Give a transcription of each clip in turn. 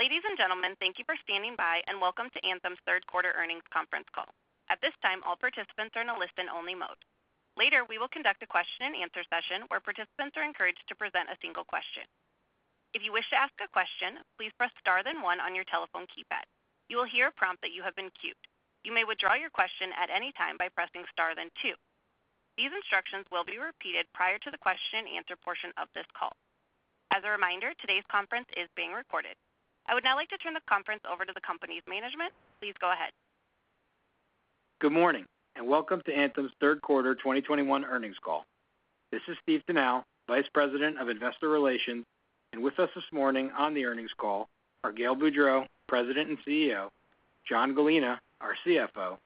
Ladies and gentlemen, thank you for standing by and welcome to Anthem's third quarter earnings conference call. At this time, all participants are in a listen-only mode. Later, we will conduct a question-and-answer session where participants are encouraged to present a single question. If you wish to ask a question, please press star then one on your telephone keypad. You will hear a prompt that you have been queued. You may withdraw your question at any time by pressing star then two. These instructions will be repeated prior to the question-and-answer portion of this call. As a reminder, today's conference is being recorded. I would now like to turn the conference over to the company's management. Please go ahead. Good morning, and welcome to Anthem's third quarter 2021 earnings call. This is Stephen Tanal, Vice President of Investor Relations, and with us this morning on the earnings call are Gail Boudreaux, President and CEO; John Gallina, our CFO;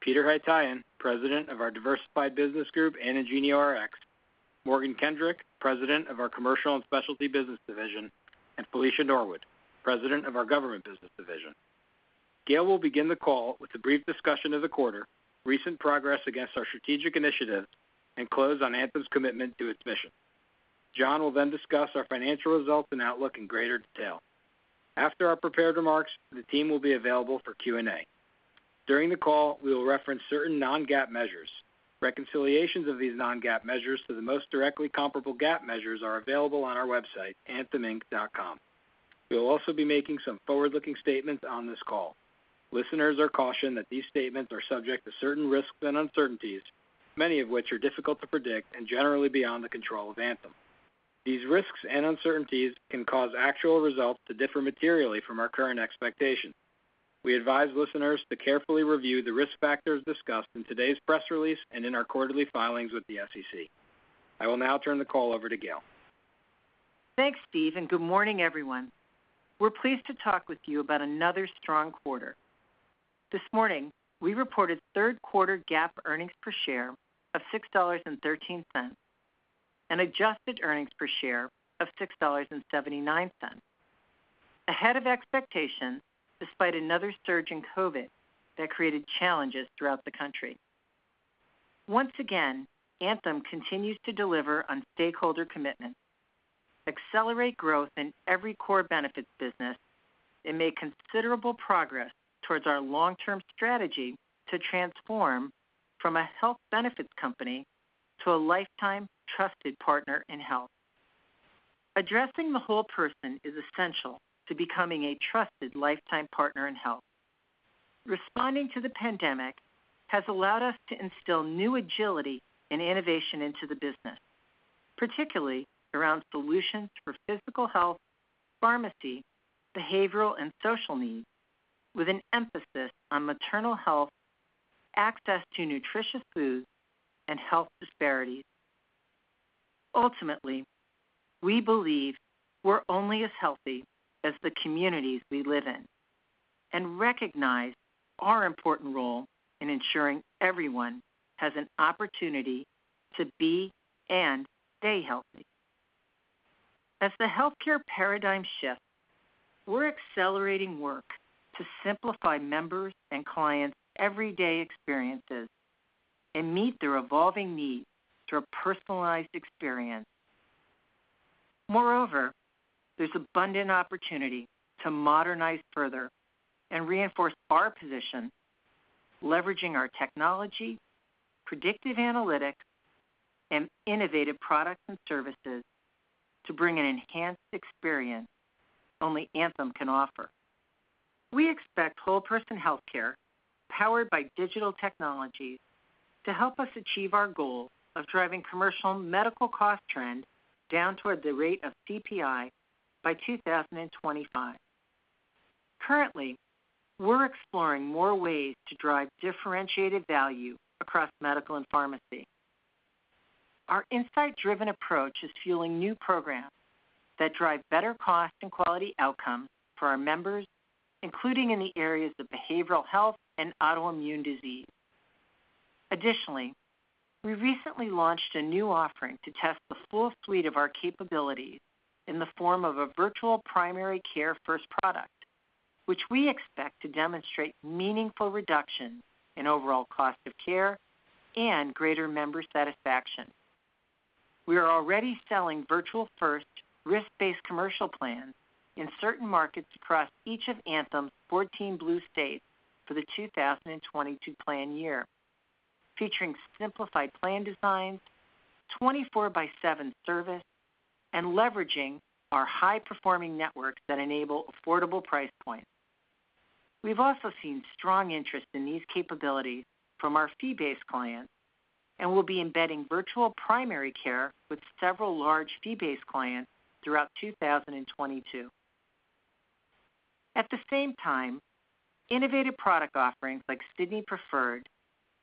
Peter Haytaian, President of our Diversified Business Group and IngenioRx; Morgan Kendrick, President of our Commercial and Specialty Business Division, and Felicia Norwood, President of our Government Business Division. Gail will begin the call with a brief discussion of the quarter, recent progress against our strategic initiatives, and close on Anthem's commitment to its mission. John will discuss our financial results and outlook in greater detail. After our prepared remarks, the team will be available for Q&A. During the call, we will reference certain non-GAAP measures. Reconciliations of these non-GAAP measures to the most directly comparable GAAP measures are available on our website, antheminc.com. We will also be making some forward-looking statements on this call. Listeners are cautioned that these statements are subject to certain risks and uncertainties, many of which are difficult to predict and generally beyond the control of Anthem. These risks and uncertainties can cause actual results to differ materially from our current expectations. We advise listeners to carefully review the risk factors discussed in today's press release and in our quarterly filings with the SEC. I will now turn the call over to Gail. Thanks, Stephen, good morning, everyone. We're pleased to talk with you about another strong quarter. This morning, we reported third quarter GAAP earnings per share of $6.13, and adjusted earnings per share of $6.79, ahead of expectations despite another surge in COVID that created challenges throughout the country. Once again, Anthem continues to deliver on stakeholder commitment, accelerate growth in every core benefits business, and make considerable progress towards our long-term strategy to transform from a health benefits company to a lifetime trusted partner in health. Addressing the whole person is essential to becoming a trusted lifetime partner in health. Responding to the pandemic has allowed us to instill new agility and innovation into the business, particularly around solutions for physical health, pharmacy, behavioral, and social needs, with an emphasis on maternal health, access to nutritious foods, and health disparities. Ultimately, we believe we're only as healthy as the communities we live in and recognize our important role in ensuring everyone has an opportunity to be and stay healthy. As the healthcare paradigm shifts, we're accelerating work to simplify members' and clients' everyday experiences and meet their evolving needs through a personalized experience. Moreover, there's abundant opportunity to modernize further and reinforce our position, leveraging our technology, predictive analytics, and innovative products and services to bring an enhanced experience only Anthem can offer. We expect whole person healthcare, powered by digital technologies, to help us achieve our goal of driving commercial medical cost trend down toward the rate of CPI by 2025. Currently, we're exploring more ways to drive differentiated value across medical and pharmacy. Our insight-driven approach is fueling new programs that drive better cost and quality outcomes for our members, including in the areas of behavioral health and autoimmune disease. Additionally, we recently launched a new offering to test the full fleet of our capabilities in the form of a virtual primary care first product, which we expect to demonstrate meaningful reductions in overall cost of care and greater member satisfaction. We are already selling virtual first risk-based commercial plans in certain markets across each of Anthem's 14 Blue states for the 2022 plan year, featuring simplified plan designs, 24 by seven service, and leveraging our high performing networks that enable affordable price points. We've also seen strong interest in these capabilities from our fee-based clients and will be embedding virtual primary care with several large fee-based clients throughout 2022. At the same time, innovative product offerings like Sydney Preferred,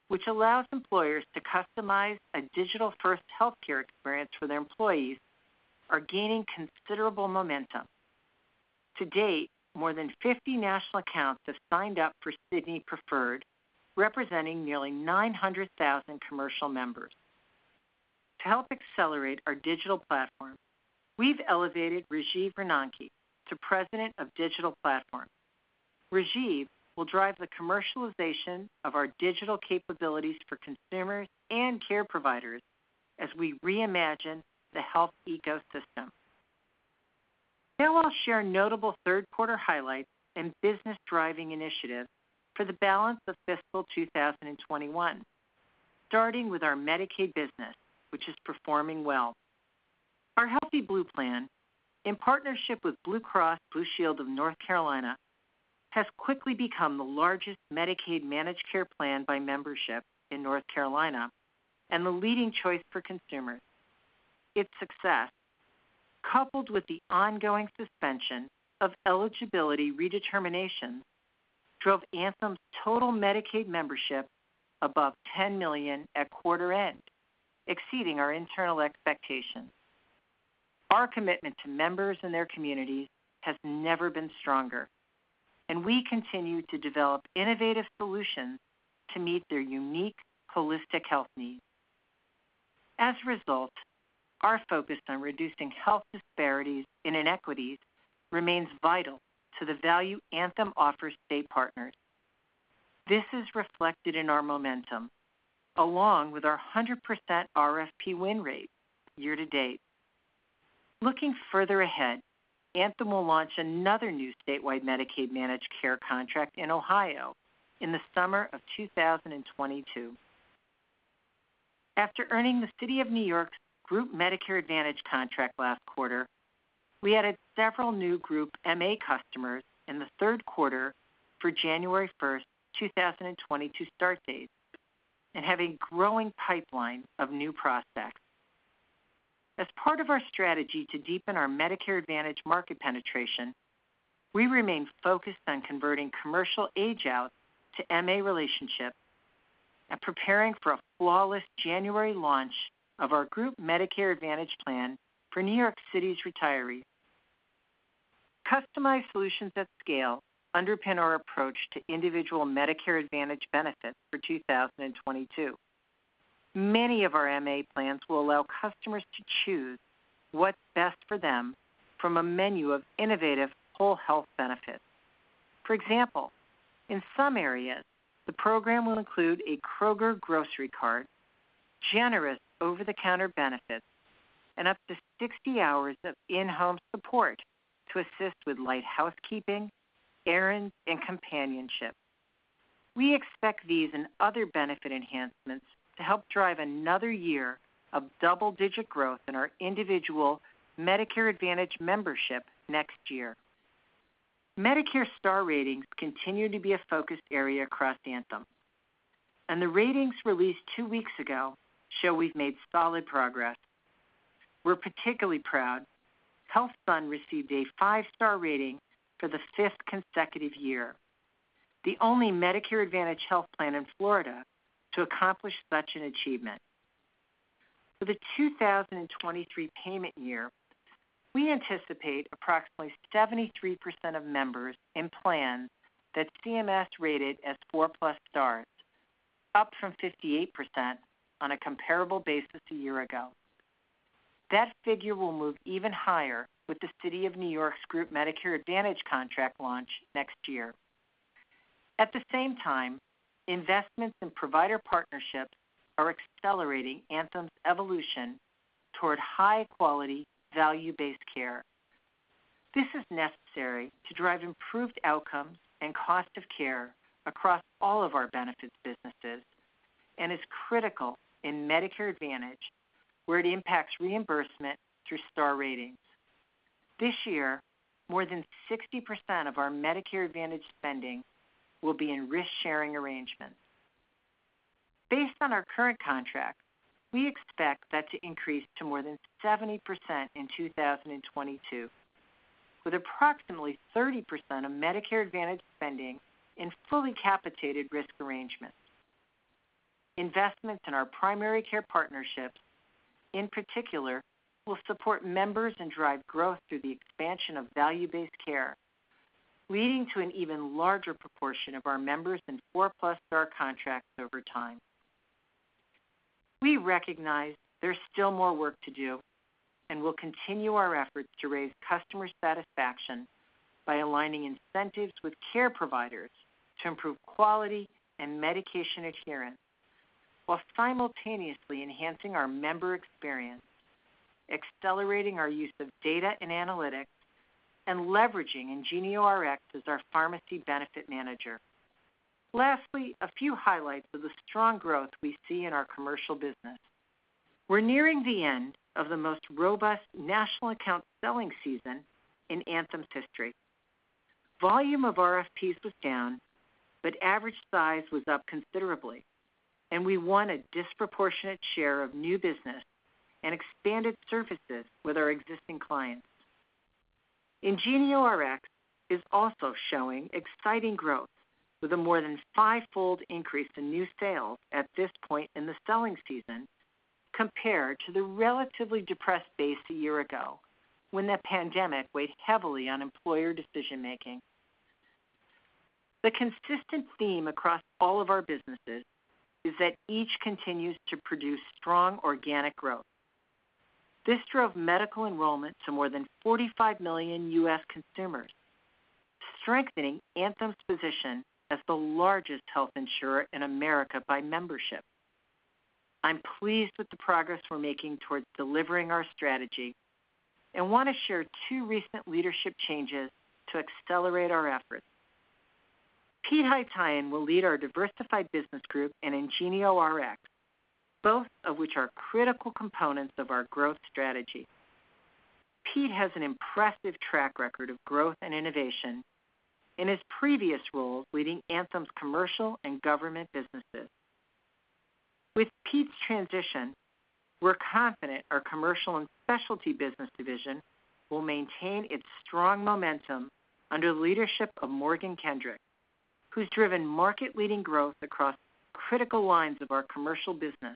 which allows employers to customize a digital first healthcare experience for their employees, are gaining considerable momentum. To date, more than 50 national accounts have signed up for Sydney Preferred, representing nearly 900,000 commercial members. To help accelerate our digital platform, we've elevated Rajeev Ronanki to President of Digital Platform. Rajeev will drive the commercialization of our digital capabilities for consumers and care providers as we reimagine the health ecosystem. I'll share notable third quarter highlights and business driving initiatives for the balance of fiscal 2021, starting with our Medicaid business, which is performing well. Our Healthy Blue Plan, in partnership with Blue Cross Blue Shield of North Carolina, has quickly become the largest Medicaid managed care plan by membership in North Carolina and the leading choice for consumers. Its success, coupled with the ongoing suspension of eligibility redeterminations, drove Anthem's total Medicaid membership above 10 million at quarter end, exceeding our internal expectations. Our commitment to members and their communities has never been stronger, and we continue to develop innovative solutions to meet their unique holistic health needs. As a result, our focus on reducing health disparities and inequities remains vital to the value Anthem offers state partners. This is reflected in our momentum, along with our 100% RFP win rate year to date. Looking further ahead, Anthem will launch another new statewide Medicaid managed care contract in Ohio in the summer of 2022. After earning the City of New York's Group Medicare Advantage contract last quarter, we added several new group MA customers in the third quarter for January 1st, 2022 start dates, and have a growing pipeline of new prospects. As part of our strategy to deepen our Medicare Advantage market penetration, we remain focused on converting commercial age-out to MA relationships and preparing for a flawless January launch of our Group Medicare Advantage Plan for New York City's retirees. Customized solutions at scale underpin our approach to individual Medicare Advantage benefits for 2022. Many of our MA plans will allow customers to choose what's best for them from a menu of innovative whole health benefits. For example, in some areas, the program will include a Kroger grocery card, generous over-the-counter benefits, and up to 60-hours of in-home support to assist with light housekeeping, errands, and companionship. We expect these and other benefit enhancements to help drive another year of double-digit growth in our individual Medicare Advantage membership next year. Medicare star ratings continue to be a focus area across Anthem, and the ratings released two weeks ago show we've made solid progress. We're particularly proud HealthSun received a five-star rating for the fifth consecutive year, the only Medicare Advantage health plan in Florida to accomplish such an achievement. For the 2023 payment year, we anticipate approximately 73% of members in plans that CMS rated as four-plus stars, up from 58% on a comparable basis a year ago. That figure will move even higher with the City of New York's Group Medicare Advantage contract launch next year. At the same time, investments in provider partnerships are accelerating Anthem's evolution toward high-quality, value-based care. This is necessary to drive improved outcomes and cost of care across all of our benefits businesses and is critical in Medicare Advantage, where it impacts reimbursement through star ratings. This year, more than 60% of our Medicare Advantage spending will be in risk-sharing arrangements. Based on our current contracts, we expect that to increase to more than 70% in 2022, with approximately 30% of Medicare Advantage spending in fully capitated risk arrangements. Investments in our primary care partnerships, in particular, will support members and drive growth through the expansion of value-based care, leading to an even larger proportion of our members in four-plus star contracts over time. We recognize there's still more work to do and will continue our efforts to raise customer satisfaction by aligning incentives with care providers to improve quality and medication adherence while simultaneously enhancing our member experience, accelerating our use of data and analytics, and leveraging IngenioRx as our pharmacy benefit manager. Lastly, a few highlights of the strong growth we see in our commercial business. We're nearing the end of the most robust national account selling season in Anthem's history. Volume of RFPs was down, but average size was up considerably, and we won a disproportionate share of new business and expanded services with our existing clients. IngenioRx is also showing exciting growth with a more than fivefold increase in new sales at this point in the selling season compared to the relatively depressed base a year ago when the pandemic weighed heavily on employer decision-making. The consistent theme across all of our businesses is that each continues to produce strong organic growth. This drove medical enrollment to more than 45 million U.S. consumers, strengthening Anthem's position as the largest health insurer in America by membership. I'm pleased with the progress we're making towards delivering our strategy and want to share two recent leadership changes to accelerate our efforts. Pete Haytaian will lead our Diversified Business Group and IngenioRx, both of which are critical components of our growth strategy. Pete has an impressive track record of growth and innovation in his previous role leading Anthem's commercial and government businesses. With Pete's transition, we're confident our Commercial and Specialty Business Division will maintain its strong momentum under the leadership of Morgan Kendrick, who's driven market-leading growth across critical lines of our commercial business,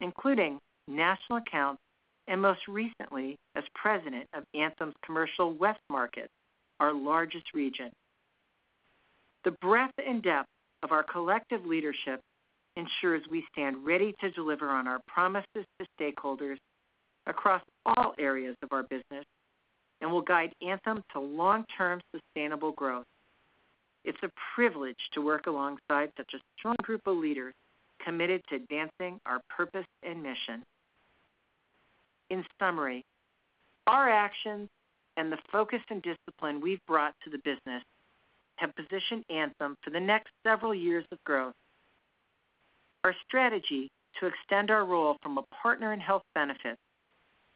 including national accounts and most recently as President of Anthem's Commercial West Market, our largest region. The breadth and depth of our collective leadership ensures we stand ready to deliver on our promises to stakeholders across all areas of our business and will guide Anthem to long-term sustainable growth. It's a privilege to work alongside such a strong group of leaders committed to advancing our purpose and mission. In summary, our actions and the focus and discipline we've brought to the business have positioned Anthem for the next several years of growth. Our strategy to extend our role from a partner in health benefits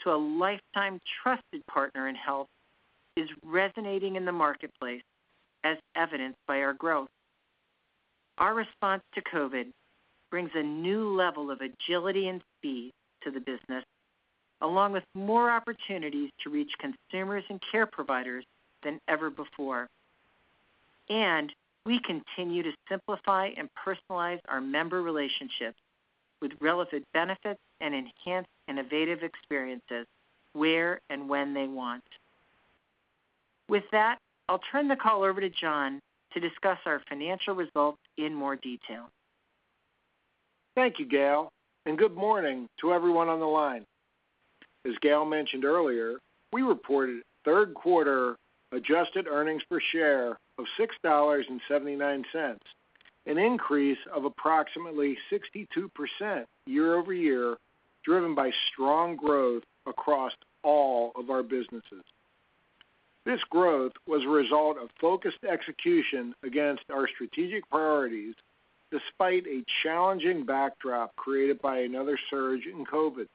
to a lifetime trusted partner in health is resonating in the marketplace as evidenced by our growth. Our response to COVID brings a new level of agility and speed to the business, along with more opportunities to reach consumers and care providers than ever before. We continue to simplify and personalize our member relationships with relevant benefits and enhanced innovative experiences where and when they want. With that, I'll turn the call over to John to discuss our financial results in more detail. Thank you, Gail. Good morning to everyone on the line. As Gail mentioned earlier, we reported third quarter adjusted earnings per share of $6.79, an increase of approximately 62% year-over-year, driven by strong growth across all of our businesses. This growth was a result of focused execution against our strategic priorities, despite a challenging backdrop created by another surge in COVID.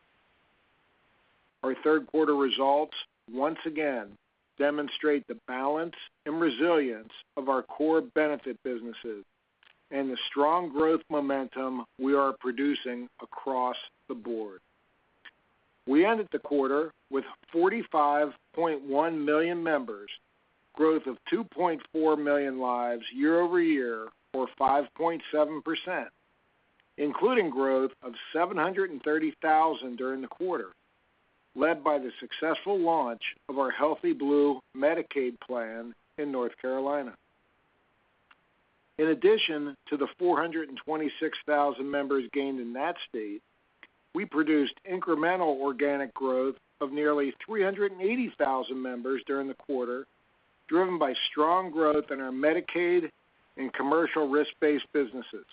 Our third quarter results once again demonstrate the balance and resilience of our core benefit businesses and the strong growth momentum we are producing across the board. We ended the quarter with 45.1 million members, growth of 2.4 million lives year-over-year or 5.7%, including growth of 730,000 during the quarter, led by the successful launch of our Healthy Blue Medicaid plan in North Carolina. In addition to the 426,000 members gained in that state, we produced incremental organic growth of nearly 380,000 members during the quarter, driven by strong growth in our Medicaid and commercial risk-based businesses.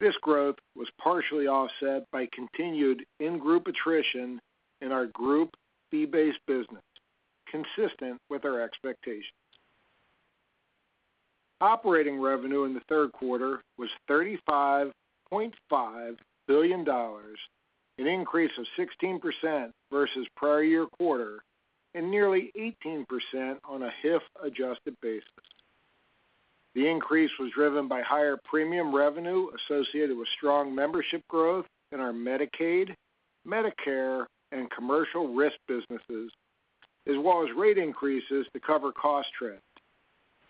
This growth was partially offset by continued in-group attrition in our Group fee-based business, consistent with our expectations. Operating revenue in the third quarter was $35.5 billion, an increase of 16% versus prior year quarter and nearly 18% on a HIF adjusted basis. The increase was driven by higher premium revenue associated with strong membership growth in our Medicaid, Medicare, and commercial risk businesses, as well as rate increases to cover cost trends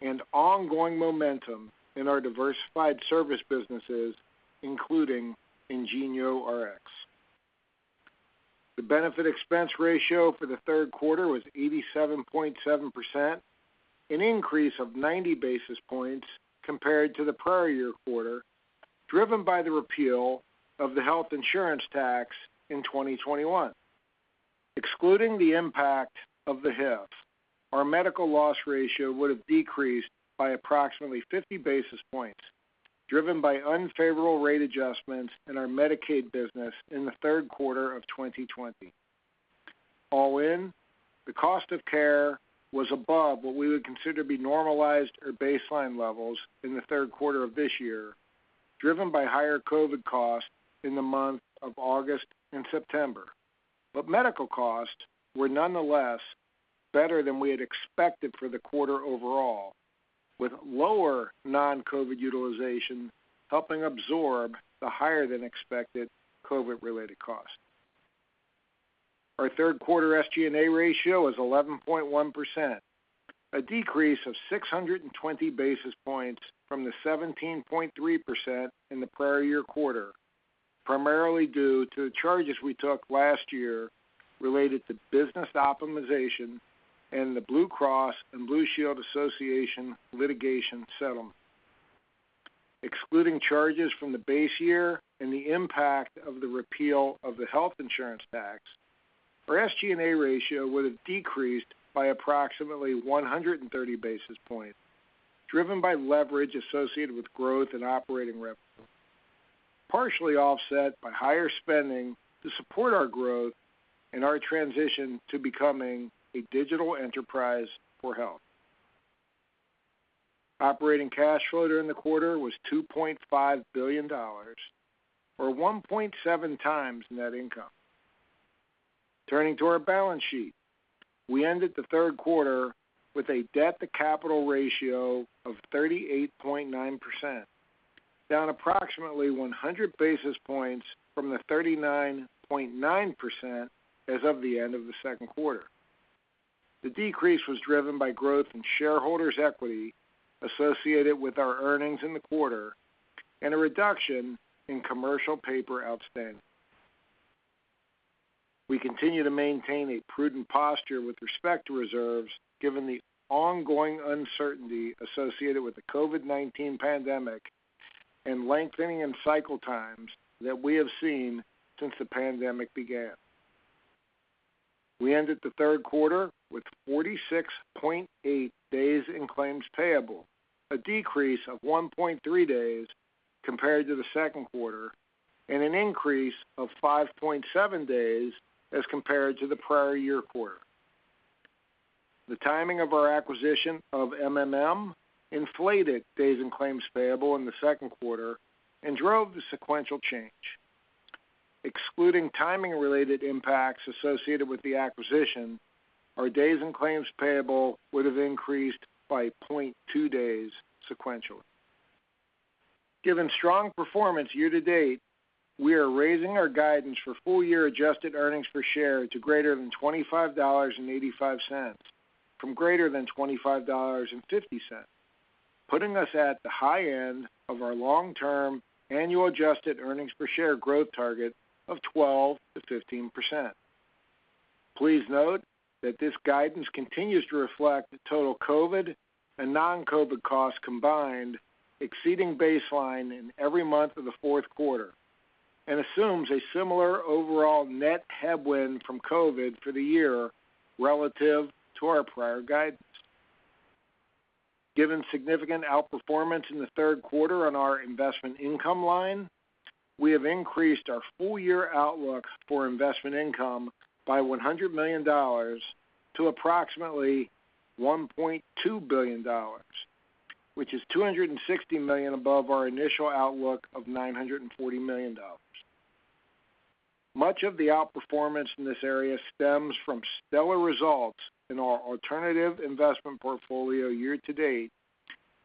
and ongoing momentum in our diversified service businesses, including IngenioRx. The benefit expense ratio for the third quarter was 87.7%, an increase of 90 basis points compared to the prior year quarter, driven by the repeal of the health insurance tax in 2021. Excluding the impact of the HIF, our medical loss ratio would have decreased by approximately 50 basis points, driven by unfavorable rate adjustments in our Medicaid business in the third quarter of 2020. All in, the cost of care was above what we would consider to be normalized or baseline levels in the third quarter of this year, driven by higher COVID costs in the month of August and September. Medical costs were nonetheless better than we had expected for the quarter overall, with lower non-COVID utilization helping absorb the higher than expected COVID related costs. Our third quarter SG&A ratio is 11.1%, a decrease of 620 basis points from the 17.3% in the prior year quarter, primarily due to charges we took last year related to business optimization and the Blue Cross and Blue Shield Association litigation settlement. Excluding charges from the base year and the impact of the repeal of the health insurance tax, our SG&A ratio would have decreased by approximately 130 basis points, driven by leverage associated with growth in operating revenue, partially offset by higher spending to support our growth and our transition to becoming a digital enterprise for health. Operating cash flow during the quarter was $2.5 billion, or 1.7x net income. Turning to our balance sheet. We ended the third quarter with a debt-to-capital ratio of 38.9%, down approximately 100 basis points from the 39.9% as of the end of the second quarter. The decrease was driven by growth in shareholders' equity associated with our earnings in the quarter and a reduction in commercial paper outstanding. We continue to maintain a prudent posture with respect to reserves, given the ongoing uncertainty associated with the COVID-19 pandemic and lengthening in cycle times that we have seen since the pandemic began. We ended the third quarter with 46.8 days in claims payable, a decrease of 1.3 days compared to the second quarter, and an increase of 5.7 days as compared to the prior year quarter. The timing of our acquisition of MMM inflated days in claims payable in the second quarter and drove the sequential change. Excluding timing-related impacts associated with the acquisition, our days in claims payable would have increased by 0.2 days sequentially. Given strong performance year-to-date, we are raising our guidance for full-year adjusted earnings per share to greater than $25.85 from greater than $25.50, putting us at the high end of our long-term annual adjusted earnings per share growth target of 12%-15%. Please note that this guidance continues to reflect the total COVID and non-COVID costs combined exceeding baseline in every month of the fourth quarter and assumes a similar overall net headwind from COVID for the year relative to our prior guidance. Given significant outperformance in the third quarter on our investment income line, we have increased our full-year outlook for investment income by $100 million to approximately $1.2 billion, which is $260 million above our initial outlook of $940 million. Much of the outperformance in this area stems from stellar results in our alternative investment portfolio year-to-date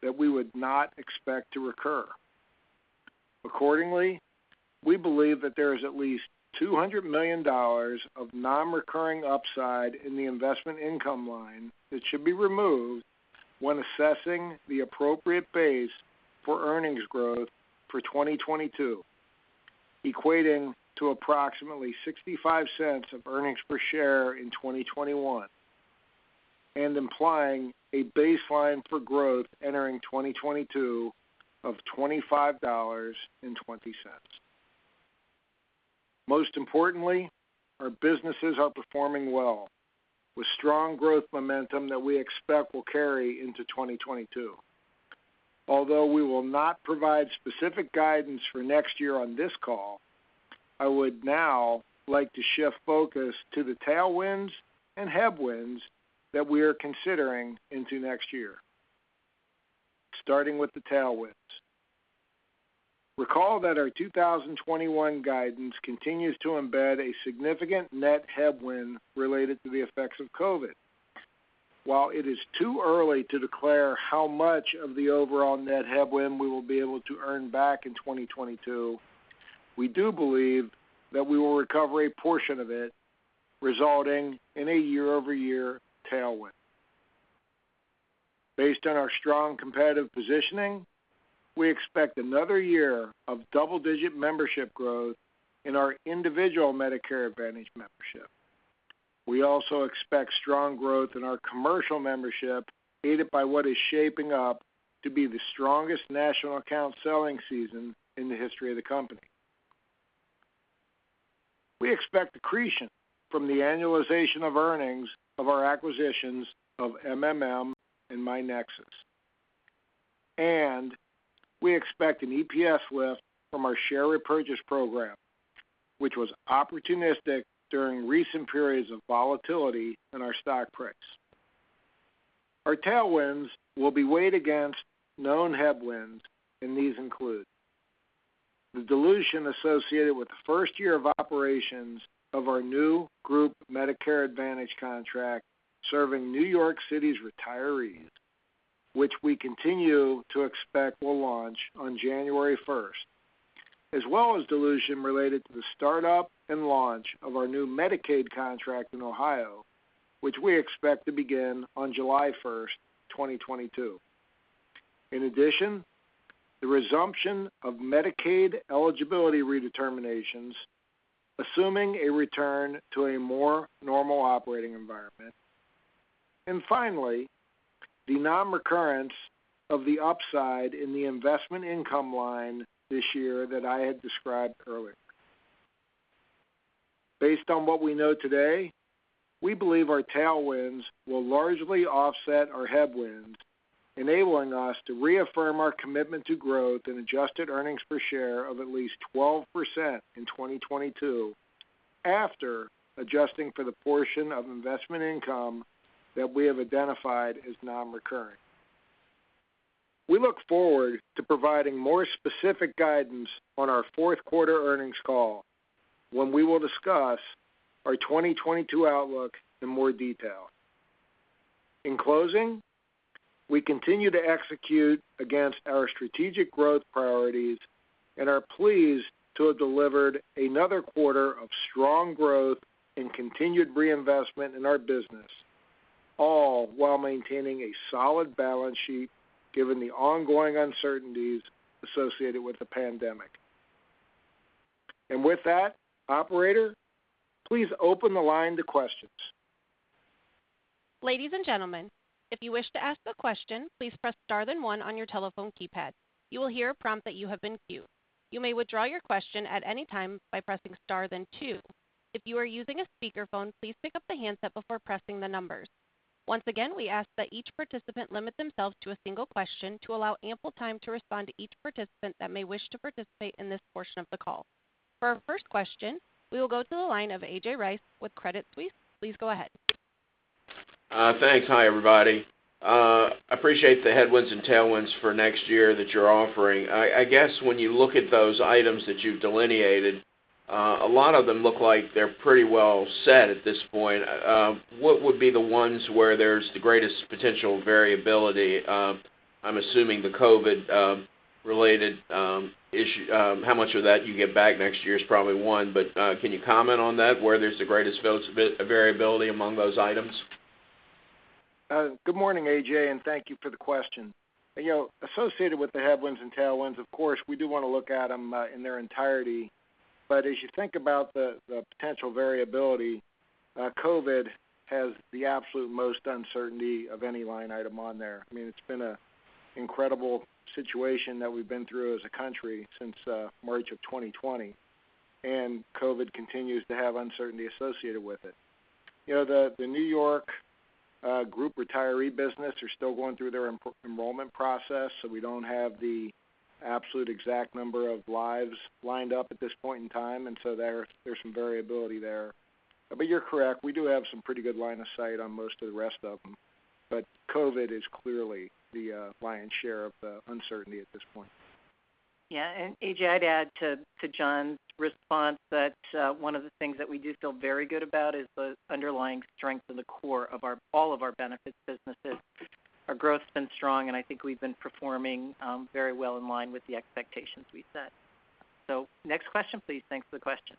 that we would not expect to recur. We believe that there is at least $200 million of non-recurring upside in the investment income line that should be removed when assessing the appropriate base for earnings growth for 2022, equating to approximately $0.65 of earnings per share in 2021 and implying a baseline for growth entering 2022 of $25.20. Most importantly, our businesses are performing well, with strong growth momentum that we expect will carry into 2022. We will not provide specific guidance for next year on this call, I would now like to shift focus to the tailwinds and headwinds that we are considering into next year. Starting with the tailwinds. Recall that our 2021 guidance continues to embed a significant net headwind related to the effects of COVID-19. While it is too early to declare how much of the overall net headwind we will be able to earn back in 2022, we do believe that we will recover a portion of it, resulting in a year-over-year tailwind. Based on our strong competitive positioning, we expect another year of double-digit membership growth in our individual Medicare Advantage membership. We also expect strong growth in our commercial membership, aided by what is shaping up to be the strongest national account selling season in the history of the company. We expect accretion from the annualization of earnings of our acquisitions of MMM and myNEXUS. We expect an EPS lift from our share repurchase program, which was opportunistic during recent periods of volatility in our stock price. Our tailwinds will be weighed against known headwinds. These include the dilution associated with the first year of operations of our new group Medicare Advantage contract serving New York City's retirees, which we continue to expect will launch on January 1st, as well as dilution related to the startup and launch of our new Medicaid contract in Ohio, which we expect to begin on July 1st, 2022. In addition, the resumption of Medicaid eligibility redeterminations, assuming a return to a more normal operating environment. Finally, the non-recurrence of the upside in the investment income line this year that I had described earlier. Based on what we know today, we believe our tailwinds will largely offset our headwinds, enabling us to reaffirm our commitment to growth in adjusted earnings per share of at least 12% in 2022, after adjusting for the portion of investment income that we have identified as non-recurring. We look forward to providing more specific guidance on our fourth quarter earnings call, when we will discuss our 2022 outlook in more detail. In closing, we continue to execute against our strategic growth priorities and are pleased to have delivered another quarter of strong growth and continued reinvestment in our business, all while maintaining a solid balance sheet given the ongoing uncertainties associated with the pandemic. With that, operator, please open the line to questions. Ladies and gentleman, if you wish to ask a question, please press star then one on your telephone keypad. You will hear a prompt that you have been queued. You may withdraw your question at any time by pressing star then two. If you are using a speakerphone, please pick up the handset before pressing the number. Once again, we ask that each participants limit themselves to a single question to allow ample time to respond each participant that may wish to participate in this portion of the call. For our first question, we will go to the line of A.J. Rice with Credit Suisse. Please go ahead. Thanks. Hi, everybody. Appreciate the headwinds and tailwinds for next year that you're offering. I guess when you look at those items that you've delineated, a lot of them look like they're pretty well set at this point. What would be the ones where there's the greatest potential variability? I'm assuming the COVID-related issue, how much of that you get back next year is probably one. Can you comment on that, where there's the greatest variability among those items? Good morning, A.J., thank you for the question. Associated with the headwinds and tailwinds, of course, we do want to look at them in their entirety. As you think about the potential variability, COVID has the absolute most uncertainty of any line item on there. It's been an incredible situation that we've been through as a country since March of 2020. COVID continues to have uncertainty associated with it. The New York group retiree business are still going through their enrollment process, we don't have the absolute exact number of lives lined up at this point in time, there's some variability there. You're correct, we do have some pretty good line of sight on most of the rest of them. COVID is clearly the lion's share of uncertainty at this point. Yeah. A.J., I'd add to John's response that one of the things that we do feel very good about is the underlying strength of the core of all of our benefits businesses. Our growth's been strong, and I think we've been performing very well in line with the expectations we set. Next question, please. Thanks for the question.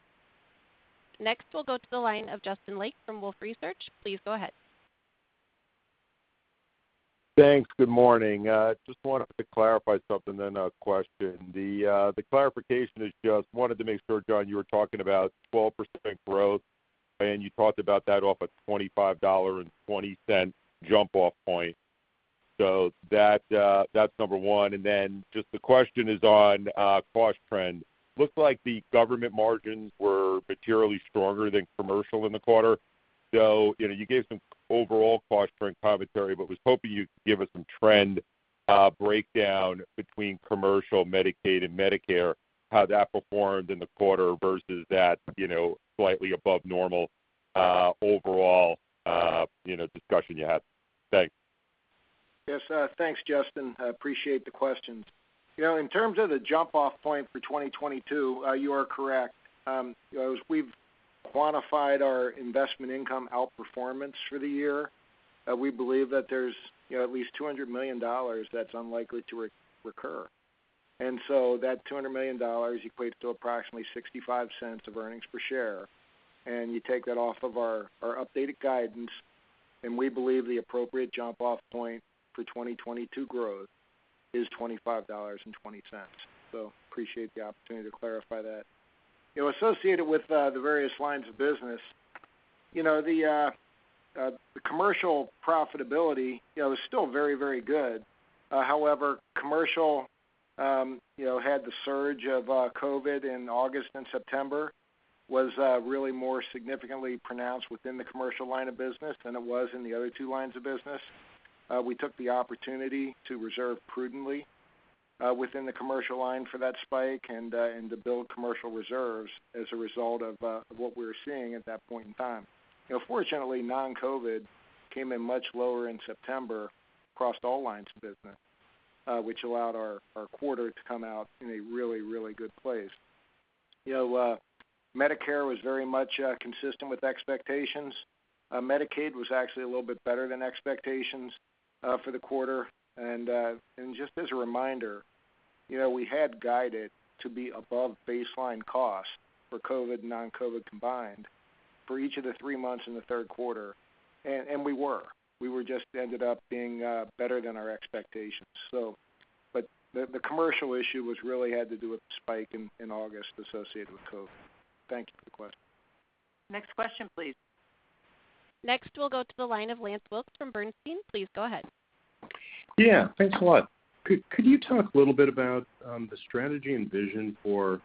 Next, we'll go to the line of Justin Lake from Wolfe Research. Please go ahead. Thanks. Good morning. Just wanted to clarify something, then a question. The clarification is just wanted to make sure, John, you were talking about 12% growth, and you talked about that off a $25.20 jump-off point. That's number one. Just the question is on cost trend. Looks like the government margins were materially stronger than commercial in the quarter. You gave some overall cost trend commentary, but was hoping you'd give us some trend breakdown between commercial, Medicaid, and Medicare, how that performed in the quarter versus that slightly above normal overall discussion you had. Thanks. Yes. Thanks, Justin. I appreciate the questions. In terms of the jump-off point for 2022, you are correct. As we've quantified our investment income outperformance for the year, we believe that there's at least $200 million that's unlikely to recur. That $200 million equates to approximately $0.65 of earnings per share. You take that off of our updated guidance, and we believe the appropriate jump-off point for 2022 growth is $25.20. Appreciate the opportunity to clarify that. Associated with the various lines of business, the commercial profitability is still very good. However, commercial had the surge of COVID-19 in August and September, was really more significantly pronounced within the commercial line of business than it was in the other two lines of business. We took the opportunity to reserve prudently within the commercial line for that spike and to build commercial reserves as a result of what we were seeing at that point in time. Fortunately, non-COVID came in much lower in September across all lines of business, which allowed our quarter to come out in a really good place. Medicare was very much consistent with expectations. Medicaid was actually a little bit better than expectations for the quarter. Just as a reminder, we had guided to be above baseline cost for COVID and non-COVID combined for each of the three months in the third quarter, and we were. We were just ended up being better than our expectations. The commercial issue really had to do with the spike in August associated with COVID. Thank you for the question. Next question, please. Next, we'll go to the line of Lance Wilkes from Bernstein. Please go ahead. Yeah, thanks a lot. Could you talk a little bit about the strategy and vision for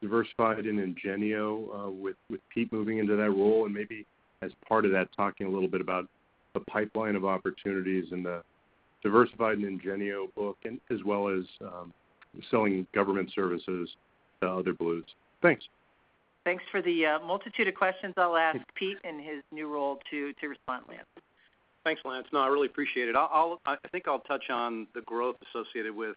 Diversified and Ingenio with Pete moving into that role, and maybe as part of that, talking a little bit about the pipeline of opportunities in the Diversified and Ingenio book, as well as selling government services to other Blues? Thanks. Thanks for the multitude of questions. I'll ask Pete in his new role to respond, Lance. Thanks, Lance. I really appreciate it. I think I'll touch on the growth associated with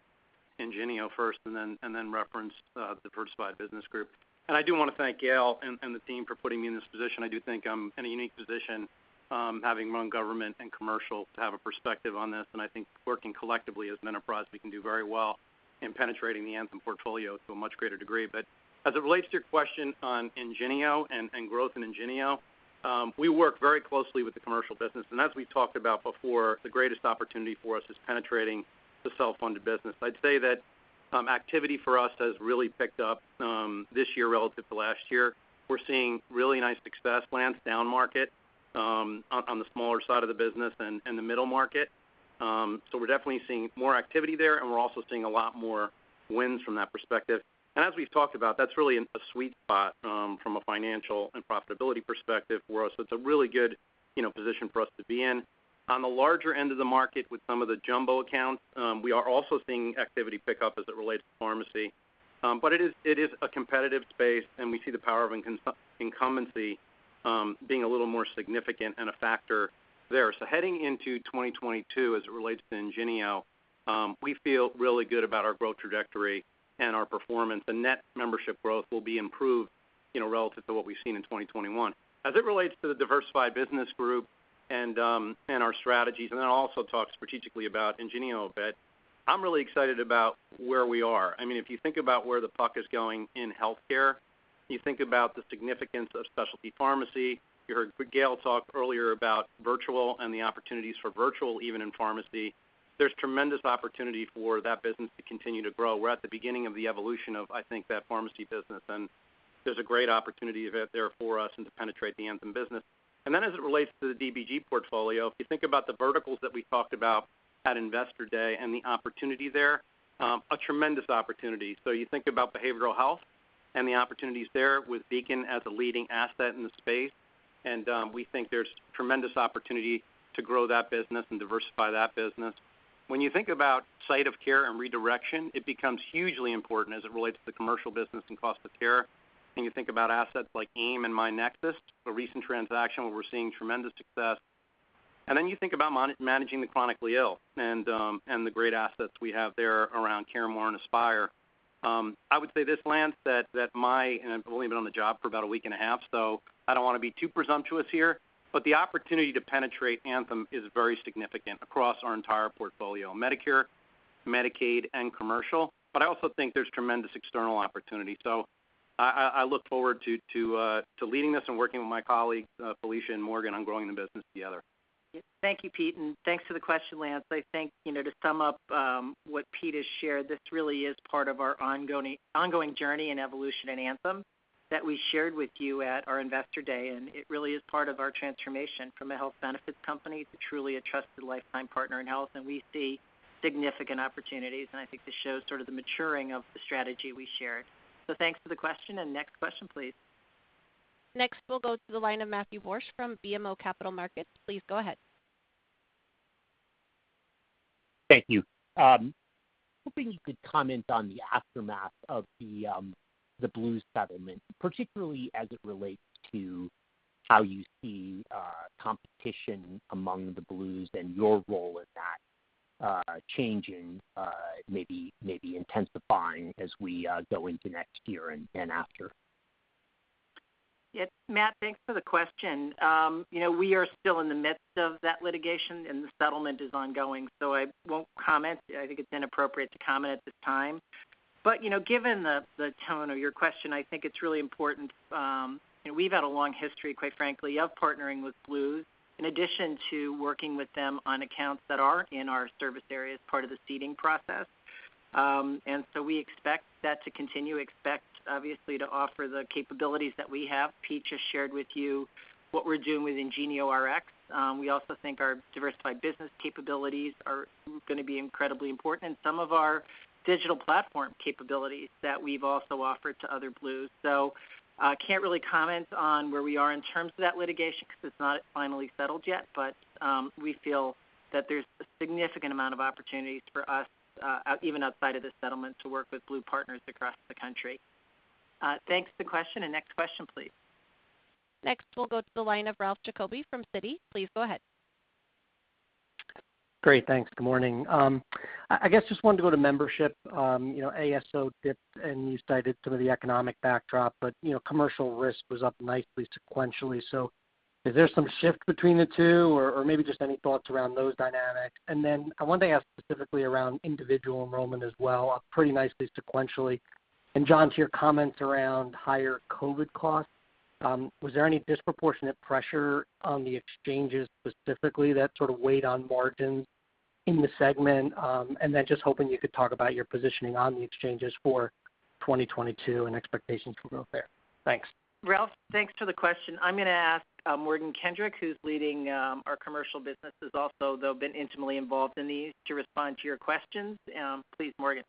Ingenio first, then reference the Diversified Business Group. I do want to thank Gail and the team for putting me in this position. I do think I'm in a unique position, having run government and commercial, to have a perspective on this. I think working collectively as an enterprise, we can do very well in penetrating the Anthem portfolio to a much greater degree. As it relates to your question on Ingenio and growth in Ingenio, we work very closely with the commercial business. As we've talked about before, the greatest opportunity for us is penetrating the self-funded business. I'd say that activity for us has really picked up this year relative to last year. We're seeing really nice success, Lance, down market on the smaller side of the business and the middle market. We're definitely seeing more activity there, and we're also seeing a lot more wins from that perspective. As we've talked about, that's really a sweet spot from a financial and profitability perspective for us. It's a really good position for us to be in. On the larger end of the market with some of the jumbo accounts, we are also seeing activity pick up as it relates to pharmacy. It is a competitive space, and we see the power of incumbency being a little more significant and a factor there. Heading into 2022 as it relates to Ingenio, we feel really good about our growth trajectory and our performance, and net membership growth will be improved relative to what we've seen in 2021. As it relates to the Diversified Business Group and our strategies, and then I'll also talk strategically about Ingenio a bit, I'm really excited about where we are. If you think about where the puck is going in healthcare, you think about the significance of specialty pharmacy. You heard Gail talk earlier about virtual and the opportunities for virtual, even in pharmacy. There's tremendous opportunity for that business to continue to grow. We're at the beginning of the evolution of, I think, that pharmacy business, and there's a great opportunity there for us and to penetrate the Anthem business. As it relates to the DBG portfolio, if you think about the verticals that we talked about at Investor Day and the opportunity there, a tremendous opportunity. You think about behavioral health and the opportunities there with Beacon as a leading asset in the space, and we think there's tremendous opportunity to grow that business and diversify that business. When you think about site of care and redirection, it becomes hugely important as it relates to the commercial business and cost of care. You think about assets like AIM and myNEXUS, the recent transaction where we're seeing tremendous success. You think about managing the chronically ill and the great assets we have there around CareMore and Aspire. I would say this, Lance, I've only been on the job for about a week and a half, so I don't want to be too presumptuous here, but the opportunity to penetrate Anthem is very significant across our entire portfolio, Medicare, Medicaid, and commercial. I also think there's tremendous external opportunity. I look forward to leading this and working with my colleagues, Felicia and Morgan, on growing the business together. Thank you, Pete, and thanks for the question, Lance. I think to sum up what Pete has shared, this really is part of our ongoing journey and evolution at Anthem that we shared with you at our Investor Day, and it really is part of our transformation from a health benefits company to truly a trusted lifetime partner in health. We see significant opportunities, and I think this shows sort of the maturing of the strategy we shared. Thanks for the question, and next question, please. Next, we'll go to the line of Matthew Borsch from BMO Capital Markets. Please go ahead. Thank you. Hoping you could comment on the aftermath of the Blues settlement, particularly as it relates to how you see competition among the Blues and your role in that changing, maybe intensifying, as we go into next year and after? Yes. Matt, thanks for the question. We are still in the midst of that litigation, and the settlement is ongoing, so I won't comment. I think it's inappropriate to comment at this time. Given the tone of your question, I think it's really important. We've had a long history, quite frankly, of partnering with Blues, in addition to working with them on accounts that are in our service area as part of the ceding process. We expect that to continue, expect obviously to offer the capabilities that we have. Pete just shared with you what we're doing with IngenioRx. We also think our diversified business capabilities are going to be incredibly important, and some of our digital platform capabilities that we've also offered to other Blues. Can't really comment on where we are in terms of that litigation because it's not finally settled yet. We feel that there's a significant amount of opportunities for us, even outside of the settlement, to work with Blue partners across the country. Thanks for the question, and next question, please. Next, we'll go to the line of Ralph Giacobbe from Citi. Please go ahead. Great, thanks. Good morning. I guess just wanted to go to membership. ASO dipped, and you cited some of the economic backdrop, but commercial risk was up nicely sequentially. Is there some shift between the two, or maybe just any thoughts around those dynamics? I wanted to ask specifically around individual enrollment as well. Up pretty nicely sequentially. John, to your comments around higher COVID costs. Was there any disproportionate pressure on the exchanges specifically that sort of weighed on margins in the segment? Just hoping you could talk about your positioning on the exchanges for 2022 and expectations for growth there. Thanks. Ralph, thanks for the question. I'm going to ask Morgan Kendrick, who's leading our Commercial businesses also, though been intimately involved in these, to respond to your questions. Please, Morgan.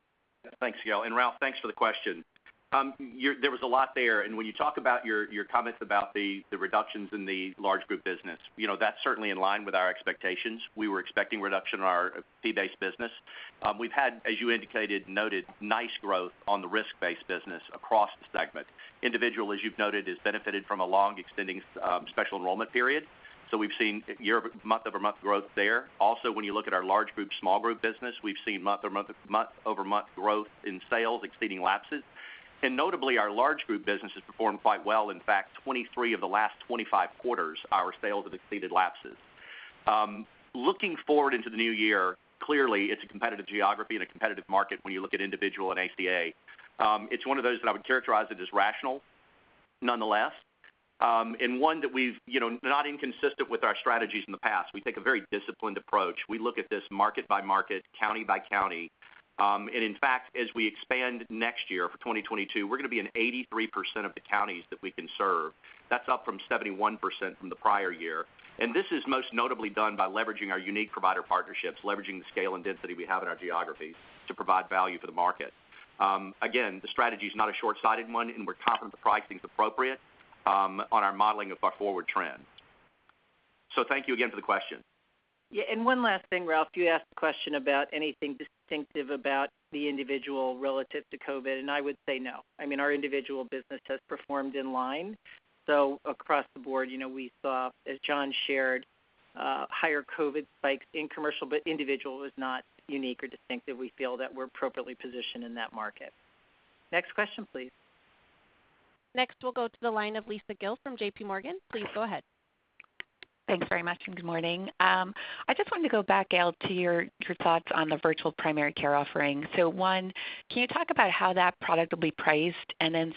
Thanks, Gail. Ralph, thanks for the question. There was a lot there, and when you talk about your comments about the reductions in the large group business, that's certainly in line with our expectations. We were expecting reduction in our fee-based business. We've had, as you indicated, noted nice growth on the risk-based business across the segment. Individual, as you've noted, has benefited from a long extending special enrollment period, so we've seen month-over-month growth there. When you look at our large group, small group business, we've seen month-over-month growth in sales exceeding lapses. Notably, our large group business has performed quite well. In fact, 23 of the last 25 quarters, our sales have exceeded lapses. Looking forward into the new year, clearly it's a competitive geography and a competitive market when you look at individual and ACA. It's one of those that I would characterize it as rational nonetheless, and one that we've not inconsistent with our strategies in the past. We take a very disciplined approach. We look at this market by market, county-by-county. In fact, as we expand next year for 2022, we're going to be in 83% of the counties that we can serve. That's up from 71% from the prior year. This is most notably done by leveraging our unique provider partnerships, leveraging the scale and density we have in our geographies to provide value for the market. Again, the strategy's not a shortsighted one, and we're confident the pricing's appropriate on our modeling of our forward trend. Thank you again for the question. One last thing, Ralph. You asked a question about anything distinctive about the individual relative to COVID. I would say no. Our individual business has performed in line. Across the board, we saw, as John shared, higher COVID spikes in commercial. Individual is not unique or distinctive. We feel that we're appropriately positioned in that market. Next question, please. Next, we'll go to the line of Lisa Gill from JPMorgan. Please go ahead. Thanks very much. Good morning. I just wanted to go back, Gail, to your thoughts on the virtual primary care offering. One, can you talk about how that product will be priced?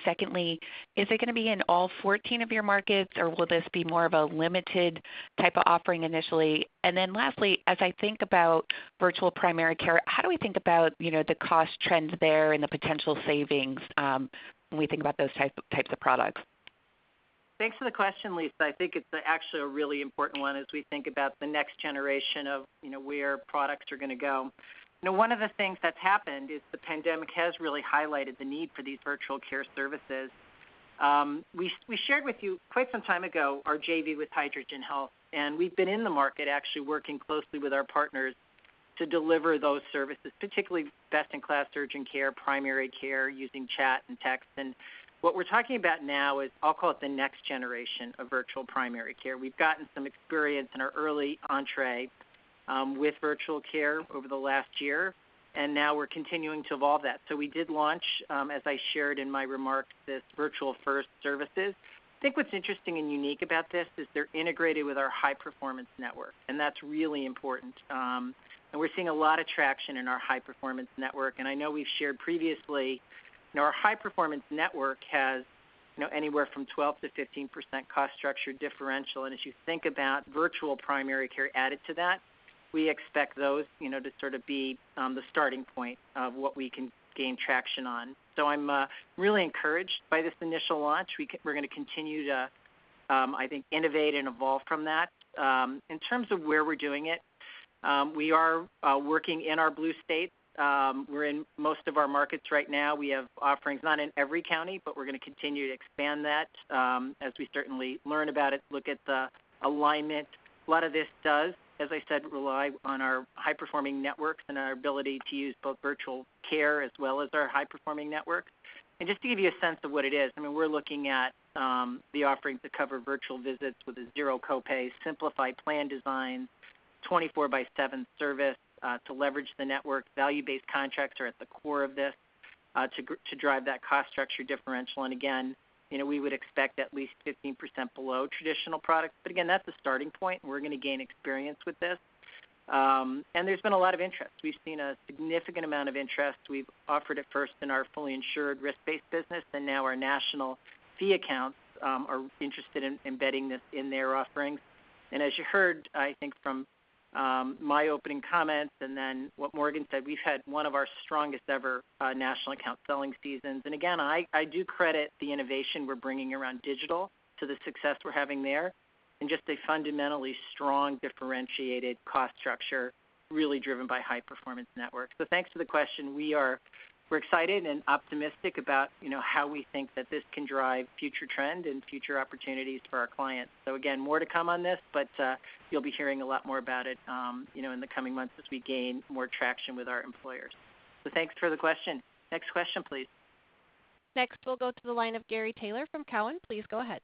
Secondly, is it going to be in all 14 of your markets, or will this be more of a limited type of offering initially? Lastly, as I think about virtual primary care, how do we think about the cost trends there and the potential savings when we think about those types of products? Thanks for the question, Lisa. I think it's actually a really important one as we think about the next generation of where products are going to go. One of the things that's happened is the pandemic has really highlighted the need for these virtual care services. We shared with you quite some time ago our JV with Hydrogen Health, and we've been in the market actually working closely with our partners to deliver those services, particularly best-in-class urgent care, primary care using chat and text. What we're talking about now is, I'll call it the next generation of virtual primary care. We've gotten some experience in our early entree with virtual care over the last year, and now we're continuing to evolve that. We did launch, as I shared in my remarks, this virtual-first services. I think what's interesting and unique about this is they're integrated with our high-performance network. That's really important. We're seeing a lot of traction in our high-performance network. I know we've shared previously, our high-performance network has anywhere from 12%-15% cost structure differential. As you think about virtual primary care added to that, we expect those to sort of be the starting point of what we can gain traction on. I'm really encouraged by this initial launch. We're going to continue to, I think, innovate and evolve from that. In terms of where we're doing it, we are working in our Blue states. We're in most of our markets right now. We have offerings, not in every county, but we're going to continue to expand that as we certainly learn about it, look at the alignment. A lot of this does, as I said, rely on our high-performing networks and our ability to use both virtual care as well as our high-performing networks. Just to give you a sense of what it is, we're looking at the offerings to cover virtual visits with a zero copay, simplified plan design, 24/7 service to leverage the network. Value-based contracts are at the core of this to drive that cost structure differential. Again, we would expect at least 15% below traditional products. Again, that's a starting point. We're going to gain experience with this. There's been a lot of interest. We've seen a significant amount of interest. We've offered it first in our fully insured risk-based business, and now our national fee accounts are interested in embedding this in their offerings. As you heard, I think from my opening comments and then what Morgan said, we've had one of our strongest ever national account selling seasons. Again, I do credit the innovation we're bringing around digital to the success we're having there, and just a fundamentally strong differentiated cost structure really driven by high performance networks. Thanks for the question. We're excited and optimistic about how we think that this can drive future trend and future opportunities for our clients. Again, more to come on this, but you'll be hearing a lot more about it in the coming months as we gain more traction with our employers. Thanks for the question. Next question, please. Next, we'll go to the line of Gary Taylor from Cowen. Please go ahead.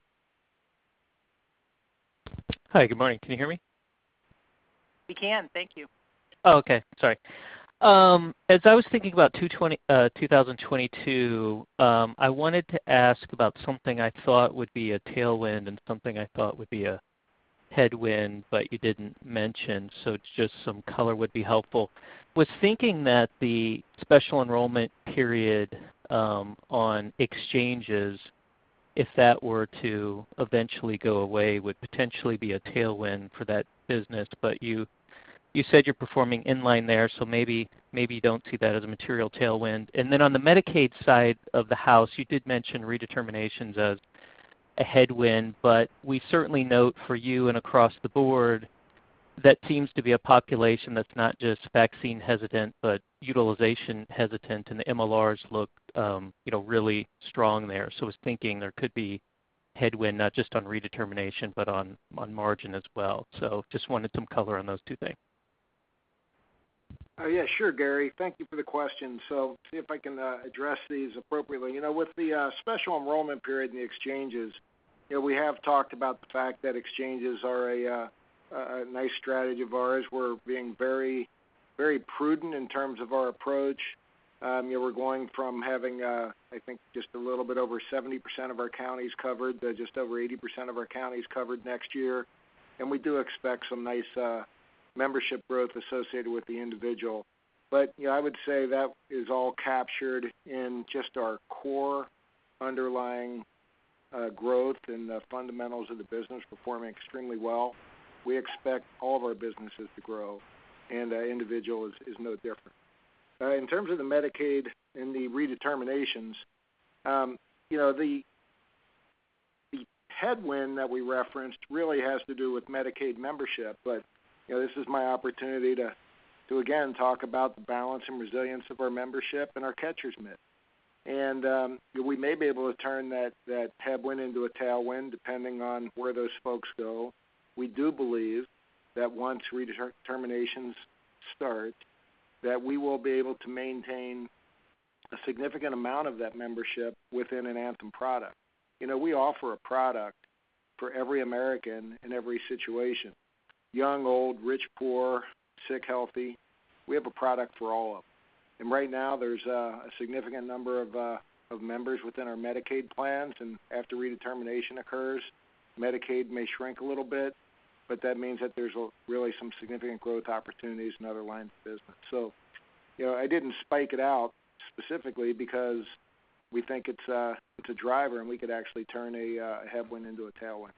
Hi. Good morning. Can you hear me? We can, thank you. Oh, okay. Sorry. As I was thinking about 2022, I wanted to ask about something I thought would be a tailwind and something I thought would be a headwind, but you didn't mention, so just some color would be helpful. I was thinking that the special enrollment period on exchanges, if that were to eventually go away, would potentially be a tailwind for that business. You said you're performing in line there, so maybe you don't see that as a material tailwind. On the Medicaid side of the house, you did mention redeterminations as a headwind, but we certainly note for you and across the board, that seems to be a population that's not just vaccine hesitant, but utilization hesitant, and the MLRs look really strong there. I was thinking there could be headwind, not just on redetermination, but on margin as well. I just wanted some color on those two things. Yeah, sure, Gary. Thank you for the question. See if I can address these appropriately. With the special enrollment period in the exchanges, we have talked about the fact that exchanges are a nice strategy of ours. We're being very prudent in terms of our approach. We're going from having, I think, just a little bit over 70% of our counties covered to just over 80% of our counties covered next year. We do expect some nice membership growth associated with the individual. I would say that is all captured in just our core underlying growth and the fundamentals of the business performing extremely well. We expect all of our businesses to grow, and individual is no different. In terms of the Medicaid and the redeterminations, the headwind that we referenced really has to do with Medicaid membership. This is my opportunity to, again, talk about the balance and resilience of our membership and our catcher's mitt. We may be able to turn that headwind into a tailwind, depending on where those folks go. We do believe that once redeterminations start, that we will be able to maintain a significant amount of that membership within an Anthem product. We offer a product for every American in every situation. Young, old, rich, poor, sick, healthy, we have a product for all of them. Right now, there's a significant number of members within our Medicaid plans, and after redetermination occurs, Medicaid may shrink a little bit, but that means that there's really some significant growth opportunities in other lines of business. I didn't spike it out specifically because we think it's a driver, and we could actually turn a headwind into a tailwind.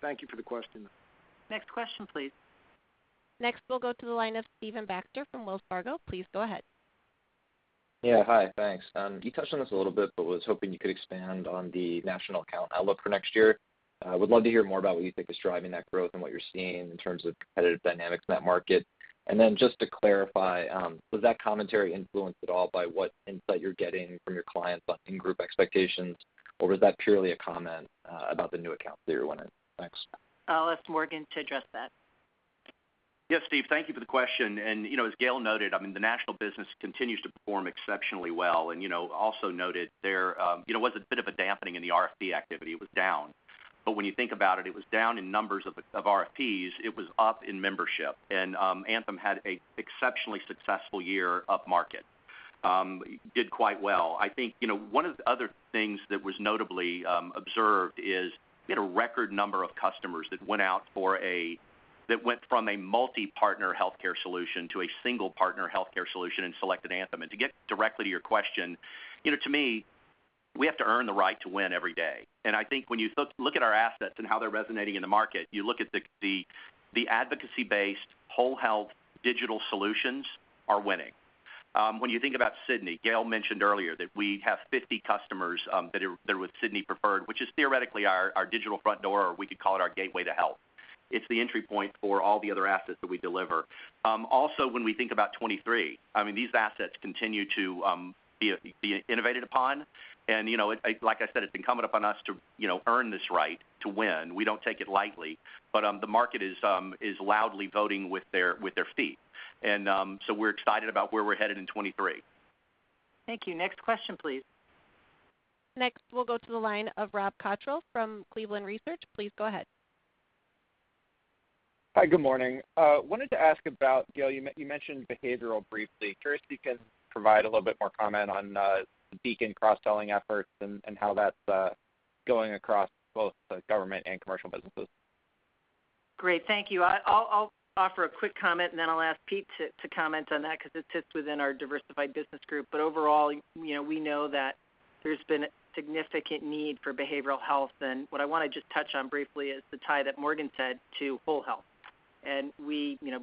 Thank you for the question. Next question, please. Next, we'll go to the line of Stephen Baxter from Wells Fargo. Please go ahead. Yeah. Hi, thanks. You touched on this a little bit. Was hoping you could expand on the national account outlook for next year. Would love to hear more about what you think is driving that growth and what you're seeing in terms of competitive dynamics in that market. Just to clarify, was that commentary influenced at all by what insight you're getting from your clients on in group expectations, or was that purely a comment about the new accounts that you're winning? Thanks. I'll ask Morgan to address that. Yes, Stephen, thank you for the question. As Gail noted, the national business continues to perform exceptionally well. Also noted there was a bit of a dampening in the RFP activity. It was down. When you think about it was down in numbers of RFPs. It was up in membership. Anthem had a exceptionally successful year up market. Did quite well. I think one of the other things that was notably observed is we had a record number of customers that went from a multi-partner healthcare solution to a single partner healthcare solution and selected Anthem. To get directly to your question, to me, we have to earn the right to win every day. I think when you look at our assets and how they're resonating in the market, you look at the advocacy-based whole health digital solutions are winning. When you think about Sydney, Gail mentioned earlier that we have 50 customers that are with Sydney Preferred, which is theoretically our digital front door, or we could call it our gateway to health. It's the entry point for all the other assets that we deliver. When we think about 2023, these assets continue to be innovated upon. Like I said, it's incumbent upon us to earn this right to win. We don't take it lightly, the market is loudly voting with their feet. We're excited about where we're headed in 2023. Thank you. Next question, please. Next, we'll go to the line of Rob Cottrell from Cleveland Research. Please go ahead. Hi, good morning. Wanted to ask about, Gail, you mentioned behavioral briefly. Curious if you can provide a little bit more comment on the Beacon cross-selling efforts and how that's going across both the government and commercial businesses. Great. Thank you. I'll offer a quick comment, then I'll ask Pete to comment on that because it sits within our Diversified Business Group. Overall, we know that there's been a significant need for behavioral health. What I want to just touch on briefly is the tie that Morgan said to whole health.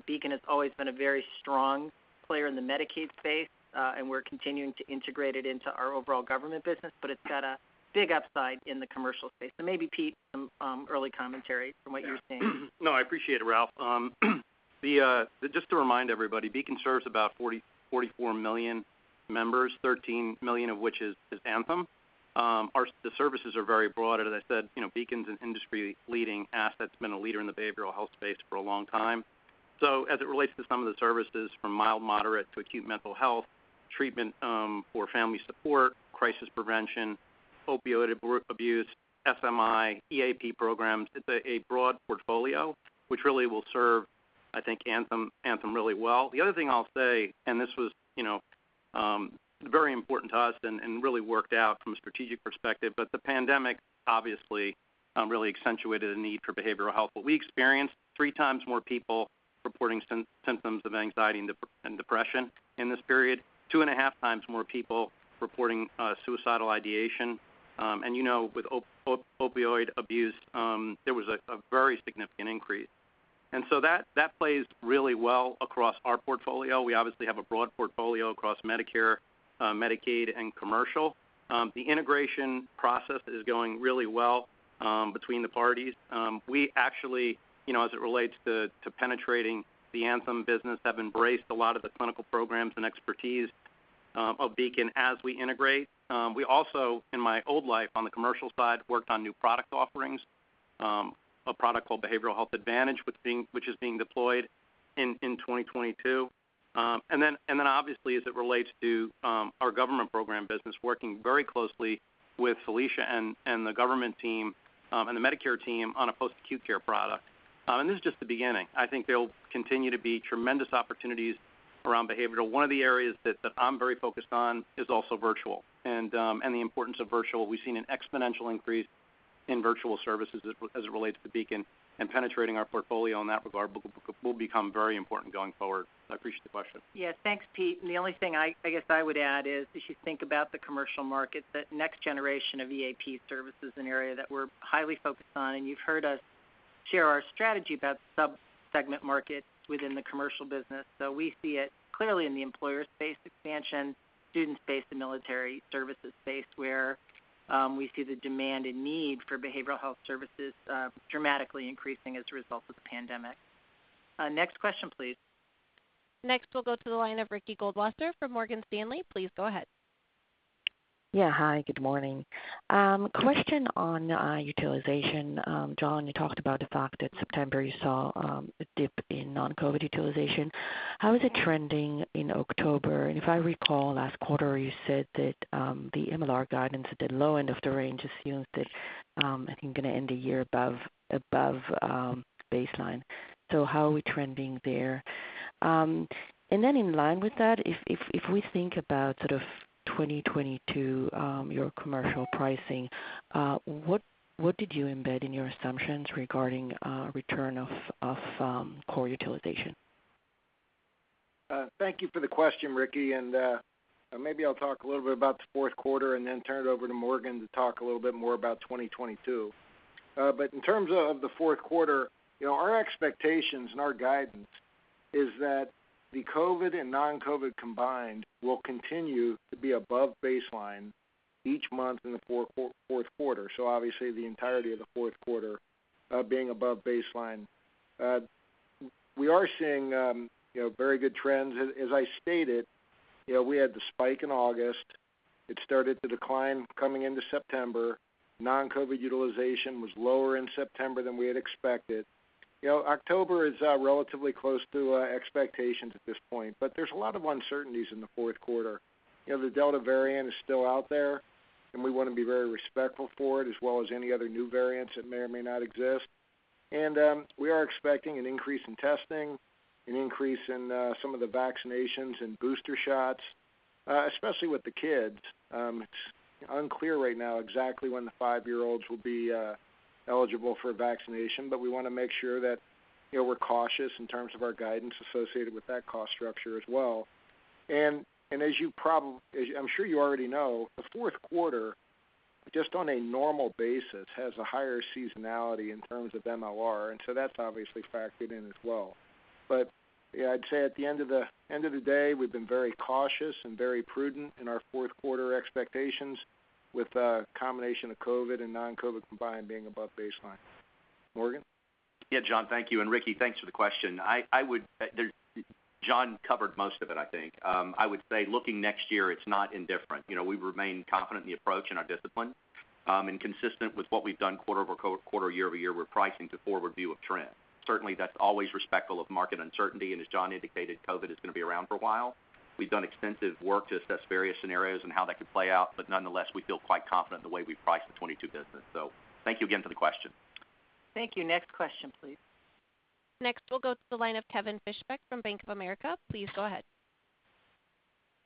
Beacon has always been a very strong player in the Medicaid space, and we're continuing to integrate it into our overall government business, but it's got a big upside in the commercial space. Maybe Pete, some early commentary from what you're seeing. No, I appreciate it, Rob. Just to remind everybody, Beacon serves about 44 million members, 13 million of which is Anthem. The services are very broad. As I said, Beacon's an industry-leading asset that's been a leader in the behavioral health space for a long time. As it relates to some of the services from mild, moderate to acute mental health treatment for family support, crisis prevention, opioid abuse, SMI, EAP programs, it's a broad portfolio which really will serve, I think, Anthem really well. The other thing I'll say, this was very important to us and really worked out from a strategic perspective. The pandemic obviously really accentuated a need for behavioral health. We experienced 3x more people reporting symptoms of anxiety and depression in this period, 2.5x more people reporting suicidal ideation. With opioid abuse, there was a very significant increase. That plays really well across our portfolio. We obviously have a broad portfolio across Medicare, Medicaid, and commercial. The integration process is going really well between the parties. We actually, as it relates to penetrating the Anthem business, have embraced a lot of the clinical programs and expertise of Beacon as we integrate. We also, in my old life on the commercial side, worked on new product offerings, a product called Behavioral Advantage, which is being deployed in 2022. Obviously, as it relates to our government program business, working very closely with Felicia and the government team, and the Medicare team on a post-acute care product. This is just the beginning. I think there'll continue to be tremendous opportunities around behavioral. One of the areas that I'm very focused on is also virtual and the importance of virtual. We've seen an exponential increase in virtual services as it relates to Beacon, and penetrating our portfolio in that regard will become very important going forward. I appreciate the question. Yeah. Thanks, Pete. The only thing I guess I would add is, as you think about the commercial market, that next generation of EAP service is an area that we're highly focused on, and you've heard us share our strategy about sub-segment markets within the commercial business. We see it clearly in the employer space expansion, student space, and military services space, where we see the demand and need for behavioral health services dramatically increasing as a result of the pandemic. Next question, please. Next, we'll go to the line of Ricky Goldwasser from Morgan Stanley. Please go ahead. Yeah. Hi, good morning. Question on utilization. John, you talked about the fact that September you saw a dip in non-COVID-19 utilization. How is it trending in October? If I recall last quarter, you said that the MLR guidance at the low end of the range assumes that, I think, going to end the year above baseline. How are we trending there? Then in line with that, if we think about sort of 2022, your commercial pricing, what did you embed in your assumptions regarding return of core utilization? Thank you for the question, Ricky, maybe I'll talk a little bit about the fourth quarter and then turn it over to Morgan to talk a little bit more about 2022. In terms of the fourth quarter, our expectations and our guidance is that the COVID and non-COVID combined will continue to be above baseline each month in the fourth quarter. Obviously, the entirety of the fourth quarter being above baseline. We are seeing very good trends. As I stated, we had the spike in August. It started to decline coming into September. Non-COVID utilization was lower in September than we had expected. October is relatively close to expectations at this point, but there's a lot of uncertainties in the fourth quarter. The Delta variant is still out there. We want to be very respectful for it, as well as any other new variants that may or may not exist. We are expecting an increase in testing, an increase in some of the vaccinations and booster shots, especially with the kids. It's unclear right now exactly when the five-year-olds will be eligible for a vaccination. We want to make sure that we're cautious in terms of our guidance associated with that cost structure as well. I'm sure you already know, the fourth quarter, just on a normal basis, has a higher seasonality in terms of MLR. That's obviously factored in as well. I'd say at the end of the day, we've been very cautious and very prudent in our fourth quarter expectations with a combination of COVID and non-COVID combined being above baseline. Morgan? Yeah, John. Thank you. Ricky, thanks for the question. John covered most of it, I think. I would say looking next year, it's not indifferent. We remain confident in the approach and our discipline. Consistent with what we've done quarter-over-quarter, year-over-year, we're pricing to forward view of trend. Certainly, that's always respectful of market uncertainty. As John indicated, COVID-19 is going to be around for a while. We've done extensive work to assess various scenarios and how that could play out, but nonetheless, we feel quite confident in the way we've priced the 2022 business. Thank you again for the question. Thank you. Next question, please. Next, we'll go to the line of Kevin Fischbeck from Bank of America. Please go ahead.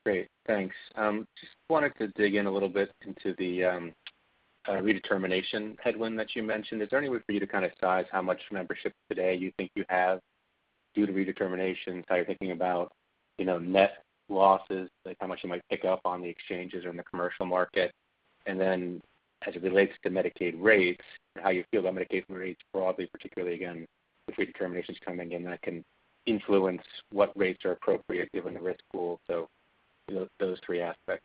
Great. Thanks. Just wanted to dig in a little bit into the redetermination headwind that you mentioned. Is there any way for you to kind of size how much membership today you think you have due to redeterminations, how you're thinking about net losses, like how much you might pick up on the exchanges or in the commercial market? As it relates to Medicaid rates, how you feel about Medicaid rates broadly, particularly again, with redeterminations coming in, that can influence what rates are appropriate given the risk pool? Those three aspects.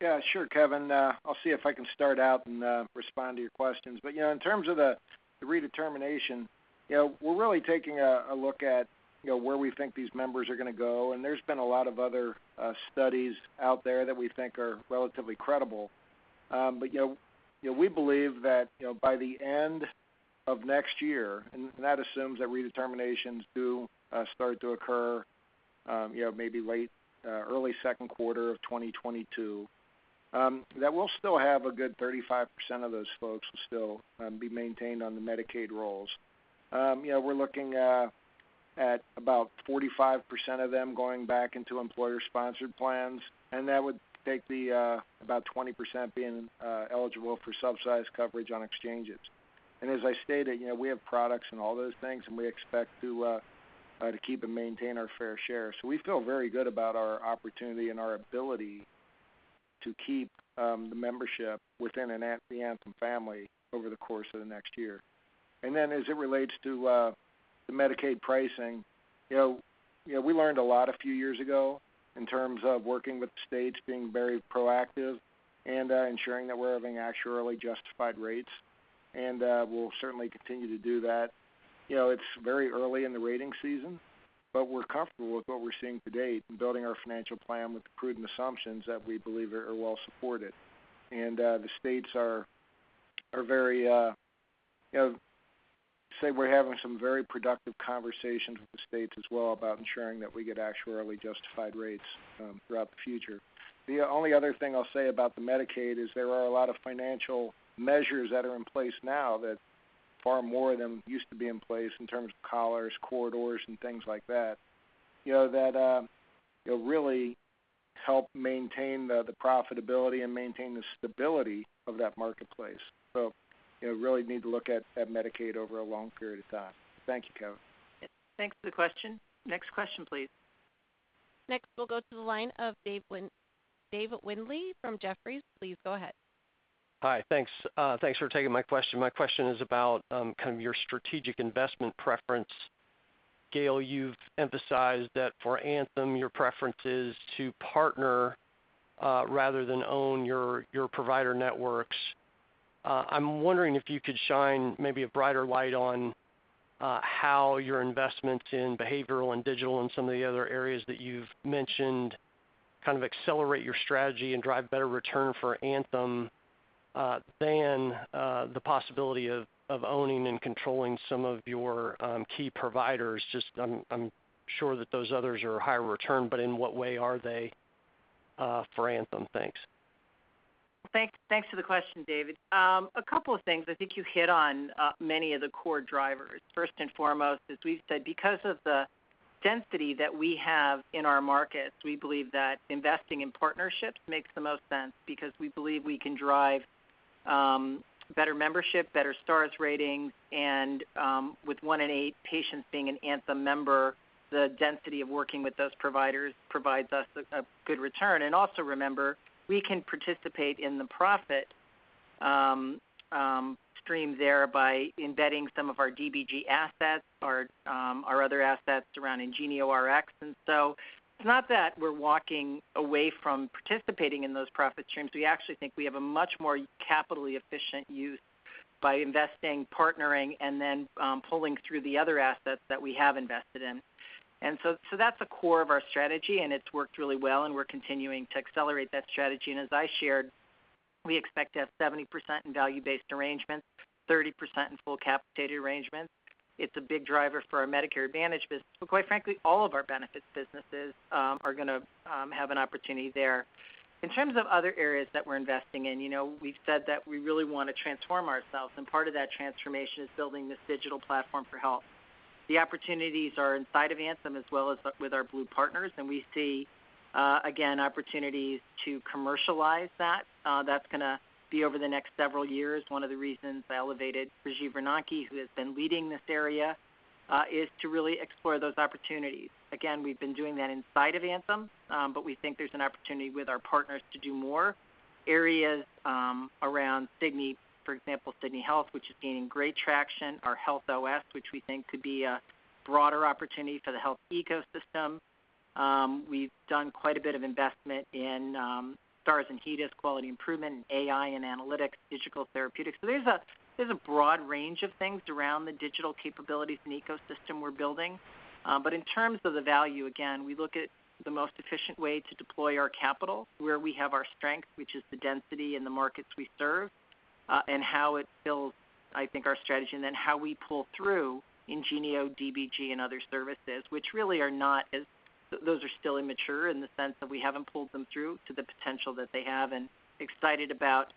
Yeah, sure, Kevin. I'll see if I can start out and respond to your questions. In terms of the redetermination, we're really taking a look at where we think these members are going to go, and there's been a lot of other studies out there that we think are relatively credible. We believe that by the end of next year, and that assumes that redeterminations do start to occur maybe early second quarter of 2022. That we'll still have a good 35% of those folks will still be maintained on the Medicaid rolls. We're looking at about 45% of them going back into employer-sponsored plans, and that would take the about 20% being eligible for subsidized coverage on exchanges. As I stated, we have products in all those things, and we expect to keep and maintain our fair share. We feel very good about our opportunity and our ability to keep the membership within the Anthem family over the course of the next year. As it relates to the Medicaid pricing, we learned a lot a few years ago in terms of working with the states, being very proactive, and ensuring that we're having actuarially justified rates, and we'll certainly continue to do that. It's very early in the rating season, but we're comfortable with what we're seeing to date and building our financial plan with the prudent assumptions that we believe are well supported. The states are having some very productive conversations with the states as well about ensuring that we get actuarially justified rates throughout the future. The only other thing I'll say about the Medicaid is there are a lot of financial measures that are in place now that far more of them used to be in place in terms of collars, corridors, and things like that really help maintain the profitability and maintain the stability of that marketplace. Really need to look at Medicaid over a long period of time. Thank you, Kevin. Thanks for the question. Next question, please. Next, we'll go to the line of David Windley from Jefferies. Please go ahead. Hi. Thanks. Thanks for taking my question. My question is about kind of your strategic investment preference. Gail, you've emphasized that for Anthem, your preference is to partner, rather than own your provider networks. I'm wondering if you could shine maybe a brighter light on how your investments in behavioral and digital and some of the other areas that you've mentioned kind of accelerate your strategy and drive better return for Anthem, than the possibility of owning and controlling some of your key providers. Just I'm sure that those others are higher return, but in what way are they for Anthem? Thanks. Thanks for the question, David. A couple of things. I think you hit on many of the core drivers. First and foremost, as we've said, because of the density that we have in our markets, we believe that investing in partnerships makes the most sense because we believe we can drive better membership, better Stars ratings, and with one in eight patients being an Anthem member, the density of working with those providers provides us a good return. Also remember, we can participate in the profit stream there by embedding some of our DBG assets, our other assets around IngenioRx. It's not that we're walking away from participating in those profit streams. We actually think we have a much more capitally efficient use by investing, partnering, and then pulling through the other assets that we have invested in. That's the core of our strategy, and it's worked really well, and we're continuing to accelerate that strategy. As I shared, we expect to have 70% in value-based arrangements, 30% in full capitated arrangements. It's a big driver for our Medicare Advantage business, but quite frankly, all of our benefits businesses are going to have an opportunity there. In terms of other areas that we're investing in, we've said that we really want to transform ourselves, and part of that transformation is building this digital platform for health. The opportunities are inside of Anthem as well as with our Blue partners, and we see, again, opportunities to commercialize that. That's going to be over the next several years. One of the reasons I elevated Rajeev Ronanki, who has been leading this area, is to really explore those opportunities. Again, we've been doing that inside of Anthem, but we think there's an opportunity with our partners to do more. Areas around Sydney, for example, Sydney Health, which is gaining great traction, our Health OS, which we think could be a broader opportunity for the health ecosystem. We've done quite a bit of investment in stars and HEDIS quality improvement, AI and analytics, digital therapeutics. So there's a broad range of things around the digital capabilities and ecosystem we're building. In terms of the value, again, we look at the most efficient way to deploy our capital, where we have our strength, which is the density in the markets we serve, and how it builds, I think our strategy, and then how we pull through Ingenio, DBG, and other services, which really those are still immature in the sense that we haven't pulled them through to the potential that they have and excited about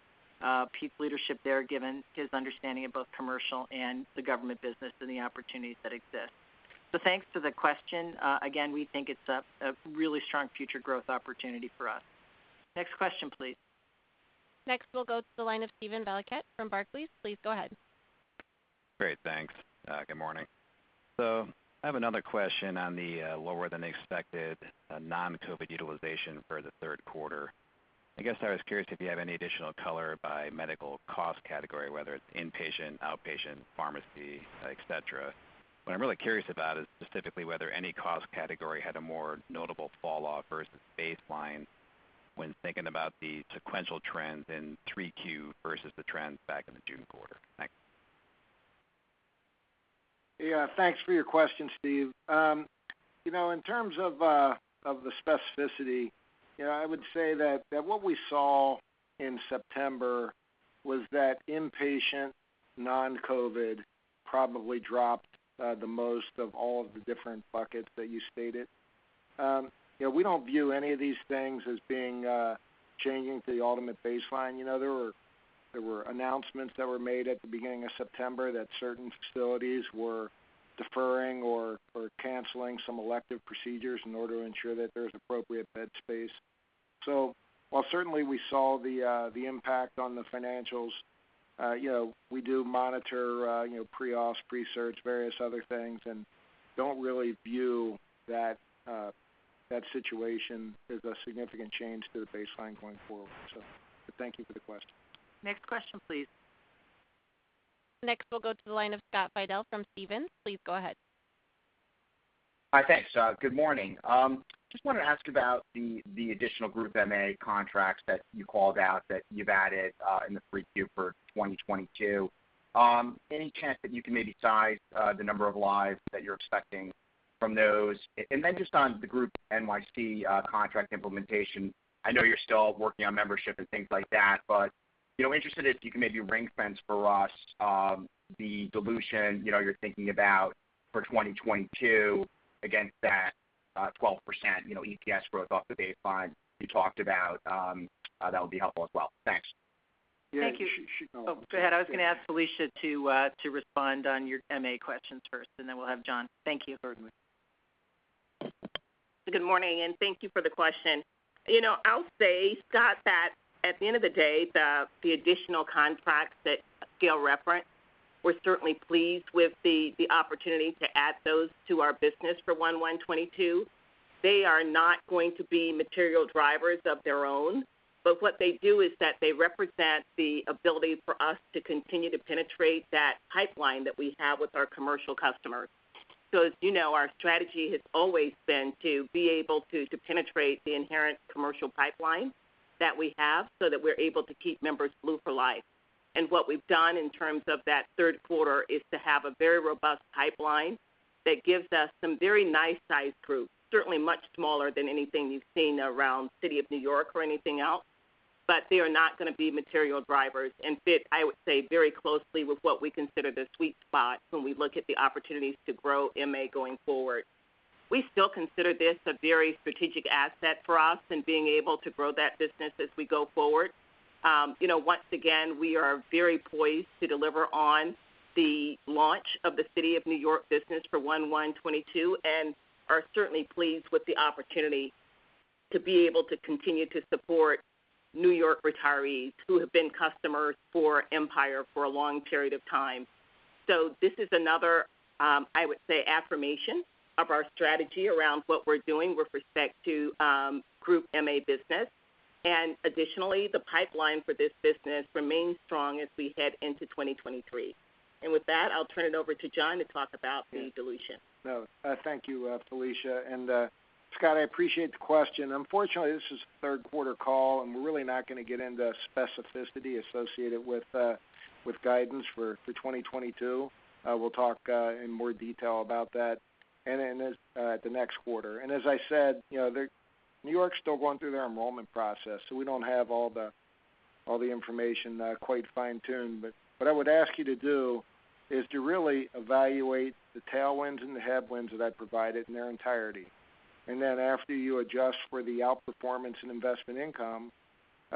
Pete's leadership there, given his understanding of both commercial and the government business and the opportunities that exist. Thanks for the question. Again, we think it's a really strong future growth opportunity for us. Next question, please. Next, we'll go to the line of Steven Valiquette from Barclays. Please go ahead. Great. Thanks. Good morning. I have another question on the lower than expected non-COVID utilization for the third quarter. I guess I was curious if you have any additional color by medical cost category, whether it's inpatient, outpatient, pharmacy, et cetera. What I'm really curious about is specifically whether any cost category had a more notable fall off versus baseline when thinking about the sequential trends in 3Q versus the trends back in the June quarter. Thanks. Yeah. Thanks for your question, Steven. In terms of the specificity, I would say that what we saw in September was that inpatient non-COVID-19. Probably dropped the most of all of the different buckets that you stated. We don't view any of these things as being changing to the ultimate baseline. There were announcements that were made at the beginning of September that certain facilities were deferring or canceling some elective procedures in order to ensure that there's appropriate bed space. While certainly we saw the impact on the financials, we do monitor pre-ops, pre-surge, various other things, and don't really view that situation as a significant change to the baseline going forward. Thank you for the question. Next question, please. Next, we'll go to the line of Scott Fidel from Stephens. Please go ahead. Hi. Thanks. Good morning. Just wanted to ask about the additional group MA contracts that you called out that you've added in the 3Q for 2022. Any chance that you can maybe size the number of lives that you're expecting from those? Just on the group NYC contract implementation, I know you're still working on membership and things like that, but interested if you can maybe ring-fence for us the dilution you're thinking about for 2022 against that 12% EPS growth off the baseline you talked about. That would be helpful as well. Thanks. Thank you. Oh, go ahead. I was going to ask Felicia to respond on your MA questions first, then we'll have John. Thank you. Good morning, and thank you for the question. I'll say, Scott, that at the end of the day, the additional contracts that Gail referenced, we're certainly pleased with the opportunity to add those to our business for 1/1/2022. They are not going to be material drivers of their own, but what they do is that they represent the ability for us to continue to penetrate that pipeline that we have with our commercial customers. As you know, our strategy has always been to be able to penetrate the inherent commercial pipeline that we have so that we're able to keep members Blue for life. What we've done in terms of that third quarter is to have a very robust pipeline that gives us some very nice size groups, certainly much smaller than anything you've seen around City of New York or anything else. They are not going to be material drivers and fit, I would say, very closely with what we consider the sweet spot when we look at the opportunities to grow MA going forward. We still consider this a very strategic asset for us in being able to grow that business as we go forward. Once again, we are very poised to deliver on the launch of the City of New York business for 1/1/2022, and are certainly pleased with the opportunity to be able to continue to support New York retirees who have been customers for Empire for a long period of time. This is another, I would say, affirmation of our strategy around what we're doing with respect to group MA business. Additionally, the pipeline for this business remains strong as we head into 2023. With that, I'll turn it over to John to talk about the dilution. No. Thank you, Felicia. Scott, I appreciate the question. Unfortunately, this is a third quarter call, we're really not going to get into specificity associated with guidance for 2022. We'll talk in more detail about that at the next quarter. As I said, New York's still going through their enrollment process, so we don't have all the information quite fine-tuned. What I would ask you to do is to really evaluate the tailwinds and the headwinds that I provided in their entirety. Then after you adjust for the outperformance in investment income,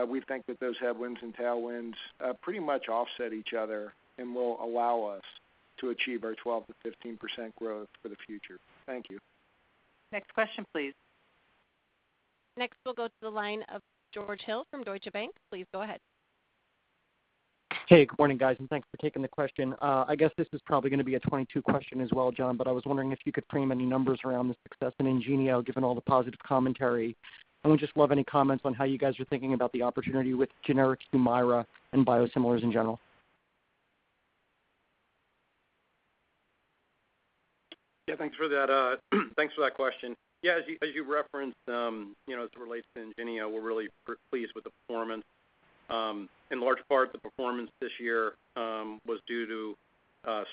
we think that those headwinds and tailwinds pretty much offset each other and will allow us to achieve our 12%-15% growth for the future. Thank you. Next question, please. Next, we'll go to the line of George Hill from Deutsche Bank. Please go ahead. Hey, good morning, guys, and thanks for taking the question. I guess this is probably going to be a 2022 question as well, John, but I was wondering if you could frame any numbers around the success in IngenioRx, given all the positive commentary. Would just love any comments on how you guys are thinking about the opportunity with generics to Humira and biosimilars in general. Thanks for that question. As you referenced, as it relates to Ingenio, we're really pleased with the performance. In large part, the performance this year was due to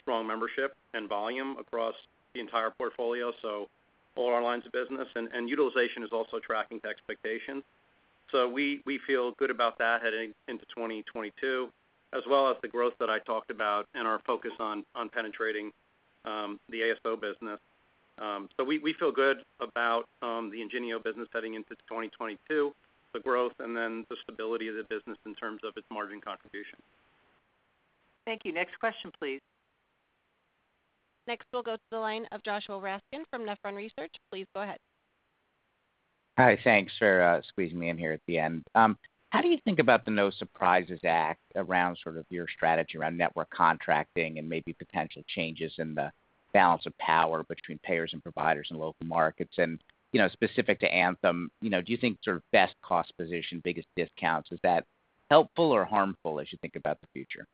strong membership and volume across the entire portfolio, so all our lines of business. Utilization is also tracking to expectation. We feel good about that heading into 2022, as well as the growth that I talked about and our focus on penetrating the ASO business. We feel good about the Ingenio business heading into 2022, the growth, and then the stability of the business in terms of its margin contribution. Thank you. Next question, please. Next, we'll go to the line of Joshua Raskin from Nephron Research. Please go ahead. Hi. Thanks for squeezing me in here at the end. How do you think about the No Surprises Act around sort of your strategy around network contracting and maybe potential changes in the balance of power between payers and providers in local markets? Specific to Anthem, do you think sort of best cost position, biggest discounts, is that helpful or harmful as you think about the future?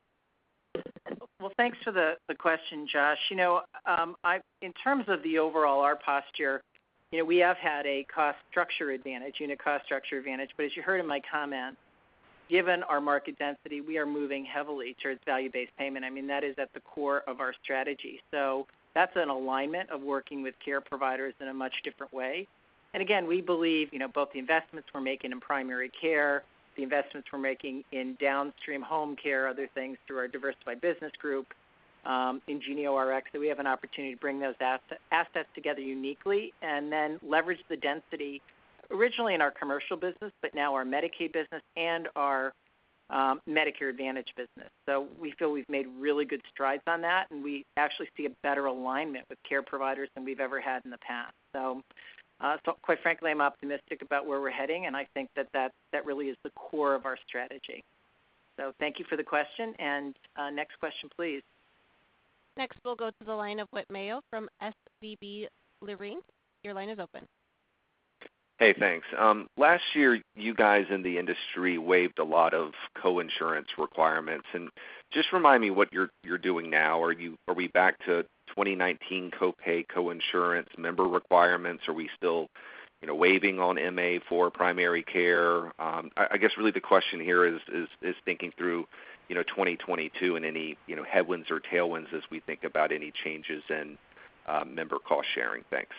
Well, thanks for the question, Josh. In terms of the overall, our posture, we have had a cost structure advantage, but as you heard in my comments, given our market density, we are moving heavily towards value-based payment. That is at the core of our strategy. That's an alignment of working with care providers in a much different way. Again, we believe both the investments we're making in primary care, the investments we're making in downstream home care, other things through our Diversified Business Group. In IngenioRx, that we have an opportunity to bring those assets together uniquely and then leverage the density originally in our commercial business, but now our Medicaid business and our Medicare Advantage business. We feel we've made really good strides on that, and we actually see a better alignment with care providers than we've ever had in the past. Quite frankly, I'm optimistic about where we're heading, and I think that really is the core of our strategy. Thank you for the question. Next question please. Next, we'll go to the line of Whit Mayo from SVB Leerink. Your line is open. Hey, thanks. Last year, you guys in the industry waived a lot of co-insurance requirements, and just remind me what you're doing now. Are we back to 2019 copay, co-insurance member requirements? Are we still waiving on MA for primary care? I guess really the question here is thinking through 2022 and any headwinds or tailwinds as we think about any changes in member cost sharing. Thanks.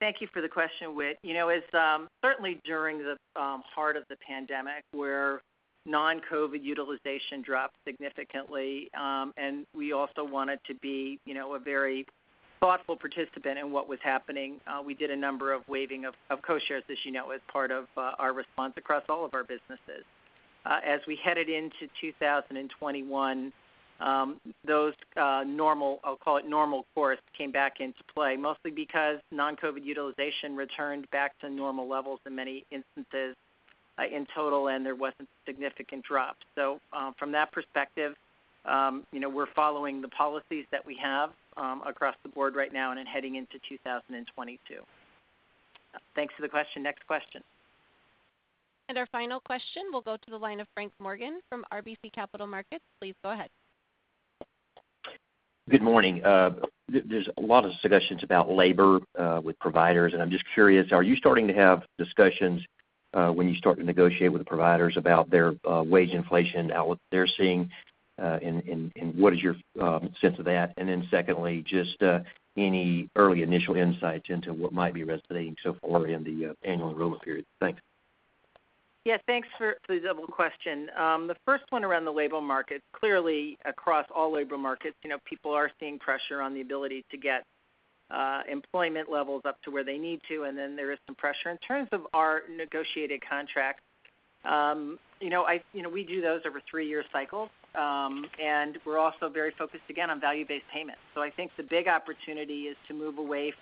Thank you for the question, Whit. Certainly during the heart of the pandemic, where non-COVID-19 utilization dropped significantly, and we also wanted to be a very thoughtful participant in what was happening. We did a number of waiving of co-shares, as you know, as part of our response across all of our businesses. As we headed into 2021, those normal, I'll call it normal course, came back into play, mostly because non-COVID-19 utilization returned back to normal levels in many instances in total, and there wasn't significant drop. From that perspective, we're following the policies that we have across the board right now and then heading into 2022. Thanks for the question. Next question. Our final question will go to the line of Frank Morgan from RBC Capital Markets. Please go ahead. Good morning. There's a lot of suggestions about labor with providers, and I'm just curious, are you starting to have discussions when you start to negotiate with the providers about their wage inflation and what they're seeing? What is your sense of that? Secondly, just any early initial insights into what might be resonating so far in the annual enrollment period. Thanks. Yeah, thanks for the double question. The first one around the labor market. Clearly, across all labor markets, people are seeing pressure on the ability to get employment levels up to where they need to. There is some pressure in terms of our negotiated contracts. We do those over three-year cycles. We're also very focused, again, on value-based payments. I think the big opportunity is to move away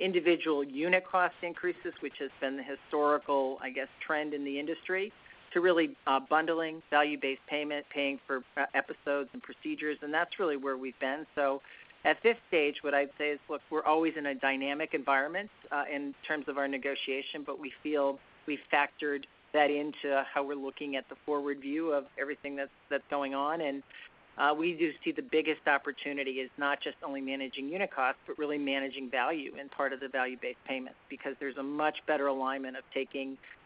from individual unit cost increases, which has been the historical, I guess, trend in the industry, to really bundling value-based payment, paying for episodes and procedures, and that's really where we've been. At this stage, what I'd say is, look, we're always in a dynamic environment in terms of our negotiation. We feel we've factored that into how we're looking at the forward view of everything that's going on. We do see the biggest opportunity is not just only managing unit costs, but really managing value and part of the value-based payments, because there's a much better alignment of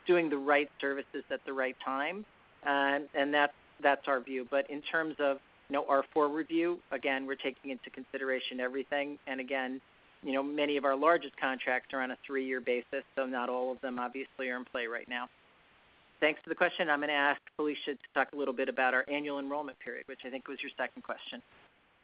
doing the right services at the right time, and that's our view. In terms of our forward view, again, we're taking into consideration everything. Again, many of our largest contracts are on a three-year basis, so not all of them obviously are in play right now. Thanks for the question. I'm going to ask Felicia to talk a little bit about our annual enrollment period, which I think was your second question.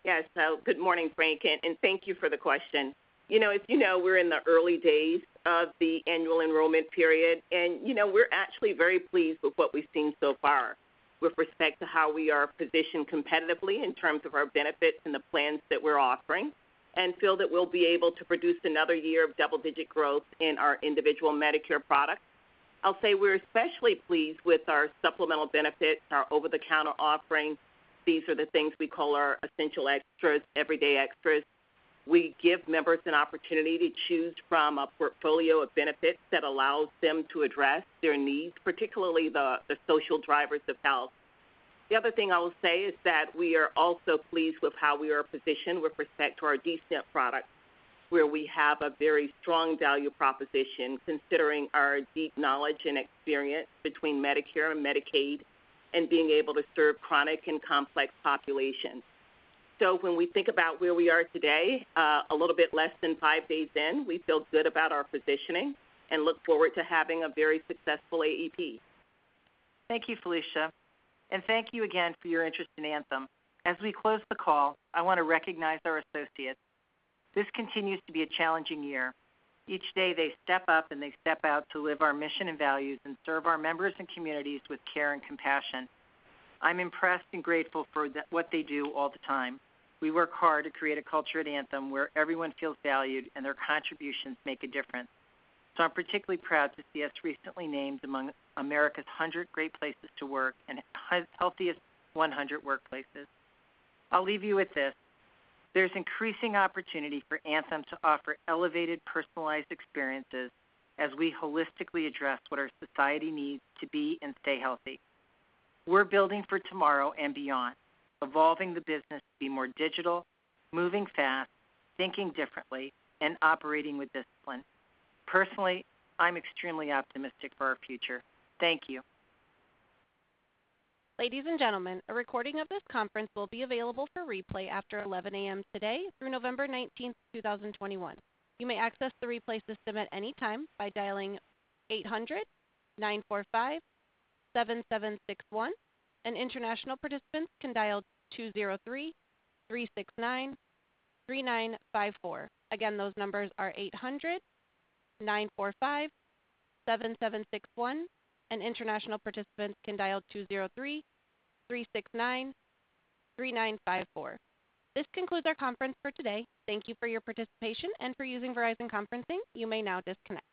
Yes. Good morning, Frank. Thank you for the question. As you know, we're in the early days of the annual enrollment period. We're actually very pleased with what we've seen so far with respect to how we are positioned competitively in terms of our benefits and the plans that we're offering and feel that we'll be able to produce another year of double-digit growth in our individual Medicare products. I'll say we're especially pleased with our supplemental benefits, our over-the-counter offerings. These are the things we call our essential extras, everyday extras. We give members an opportunity to choose from a portfolio of benefits that allows them to address their needs, particularly the social drivers of health. The other thing I will say is that we are also pleased with how we are positioned with respect to our D-SNP products, where we have a very strong value proposition considering our deep knowledge and experience between Medicare and Medicaid and being able to serve chronic and complex populations. When we think about where we are today, a little bit less than five days in, we feel good about our positioning and look forward to having a very successful AEP. Thank you, Felicia. Thank you again for your interest in Anthem. As we close the call, I want to recognize our associates. This continues to be a challenging year. Each day, they step up and they step out to live our mission and values and serve our members and communities with care and compassion. I'm impressed and grateful for what they do all the time. We work hard to create a culture at Anthem where everyone feels valued and their contributions make a difference. I'm particularly proud to see us recently named among America's 100 Great Places to Work and Healthiest 100 Workplaces. I'll leave you with this. There's increasing opportunity for Anthem to offer elevated, personalized experiences as we holistically address what our society needs to be and stay healthy. We're building for tomorrow and beyond, evolving the business to be more digital, moving fast, thinking differently, and operating with discipline. Personally, I'm extremely optimistic for our future. Thank you. Ladies and gentlemen, a recording of this conference will be available for replay after 11:00 A.M. today through November 19th, 2021. You may access the replay system at any time by dialing 800-945-7761. And international participants can dial 203-369-3954. Again, those numbers are 800-945-7761, and international participants can dial 203-369-3954. This concludes our conference for today. Thank you for your participation and for using Verizon Conferencing. You may now disconnect.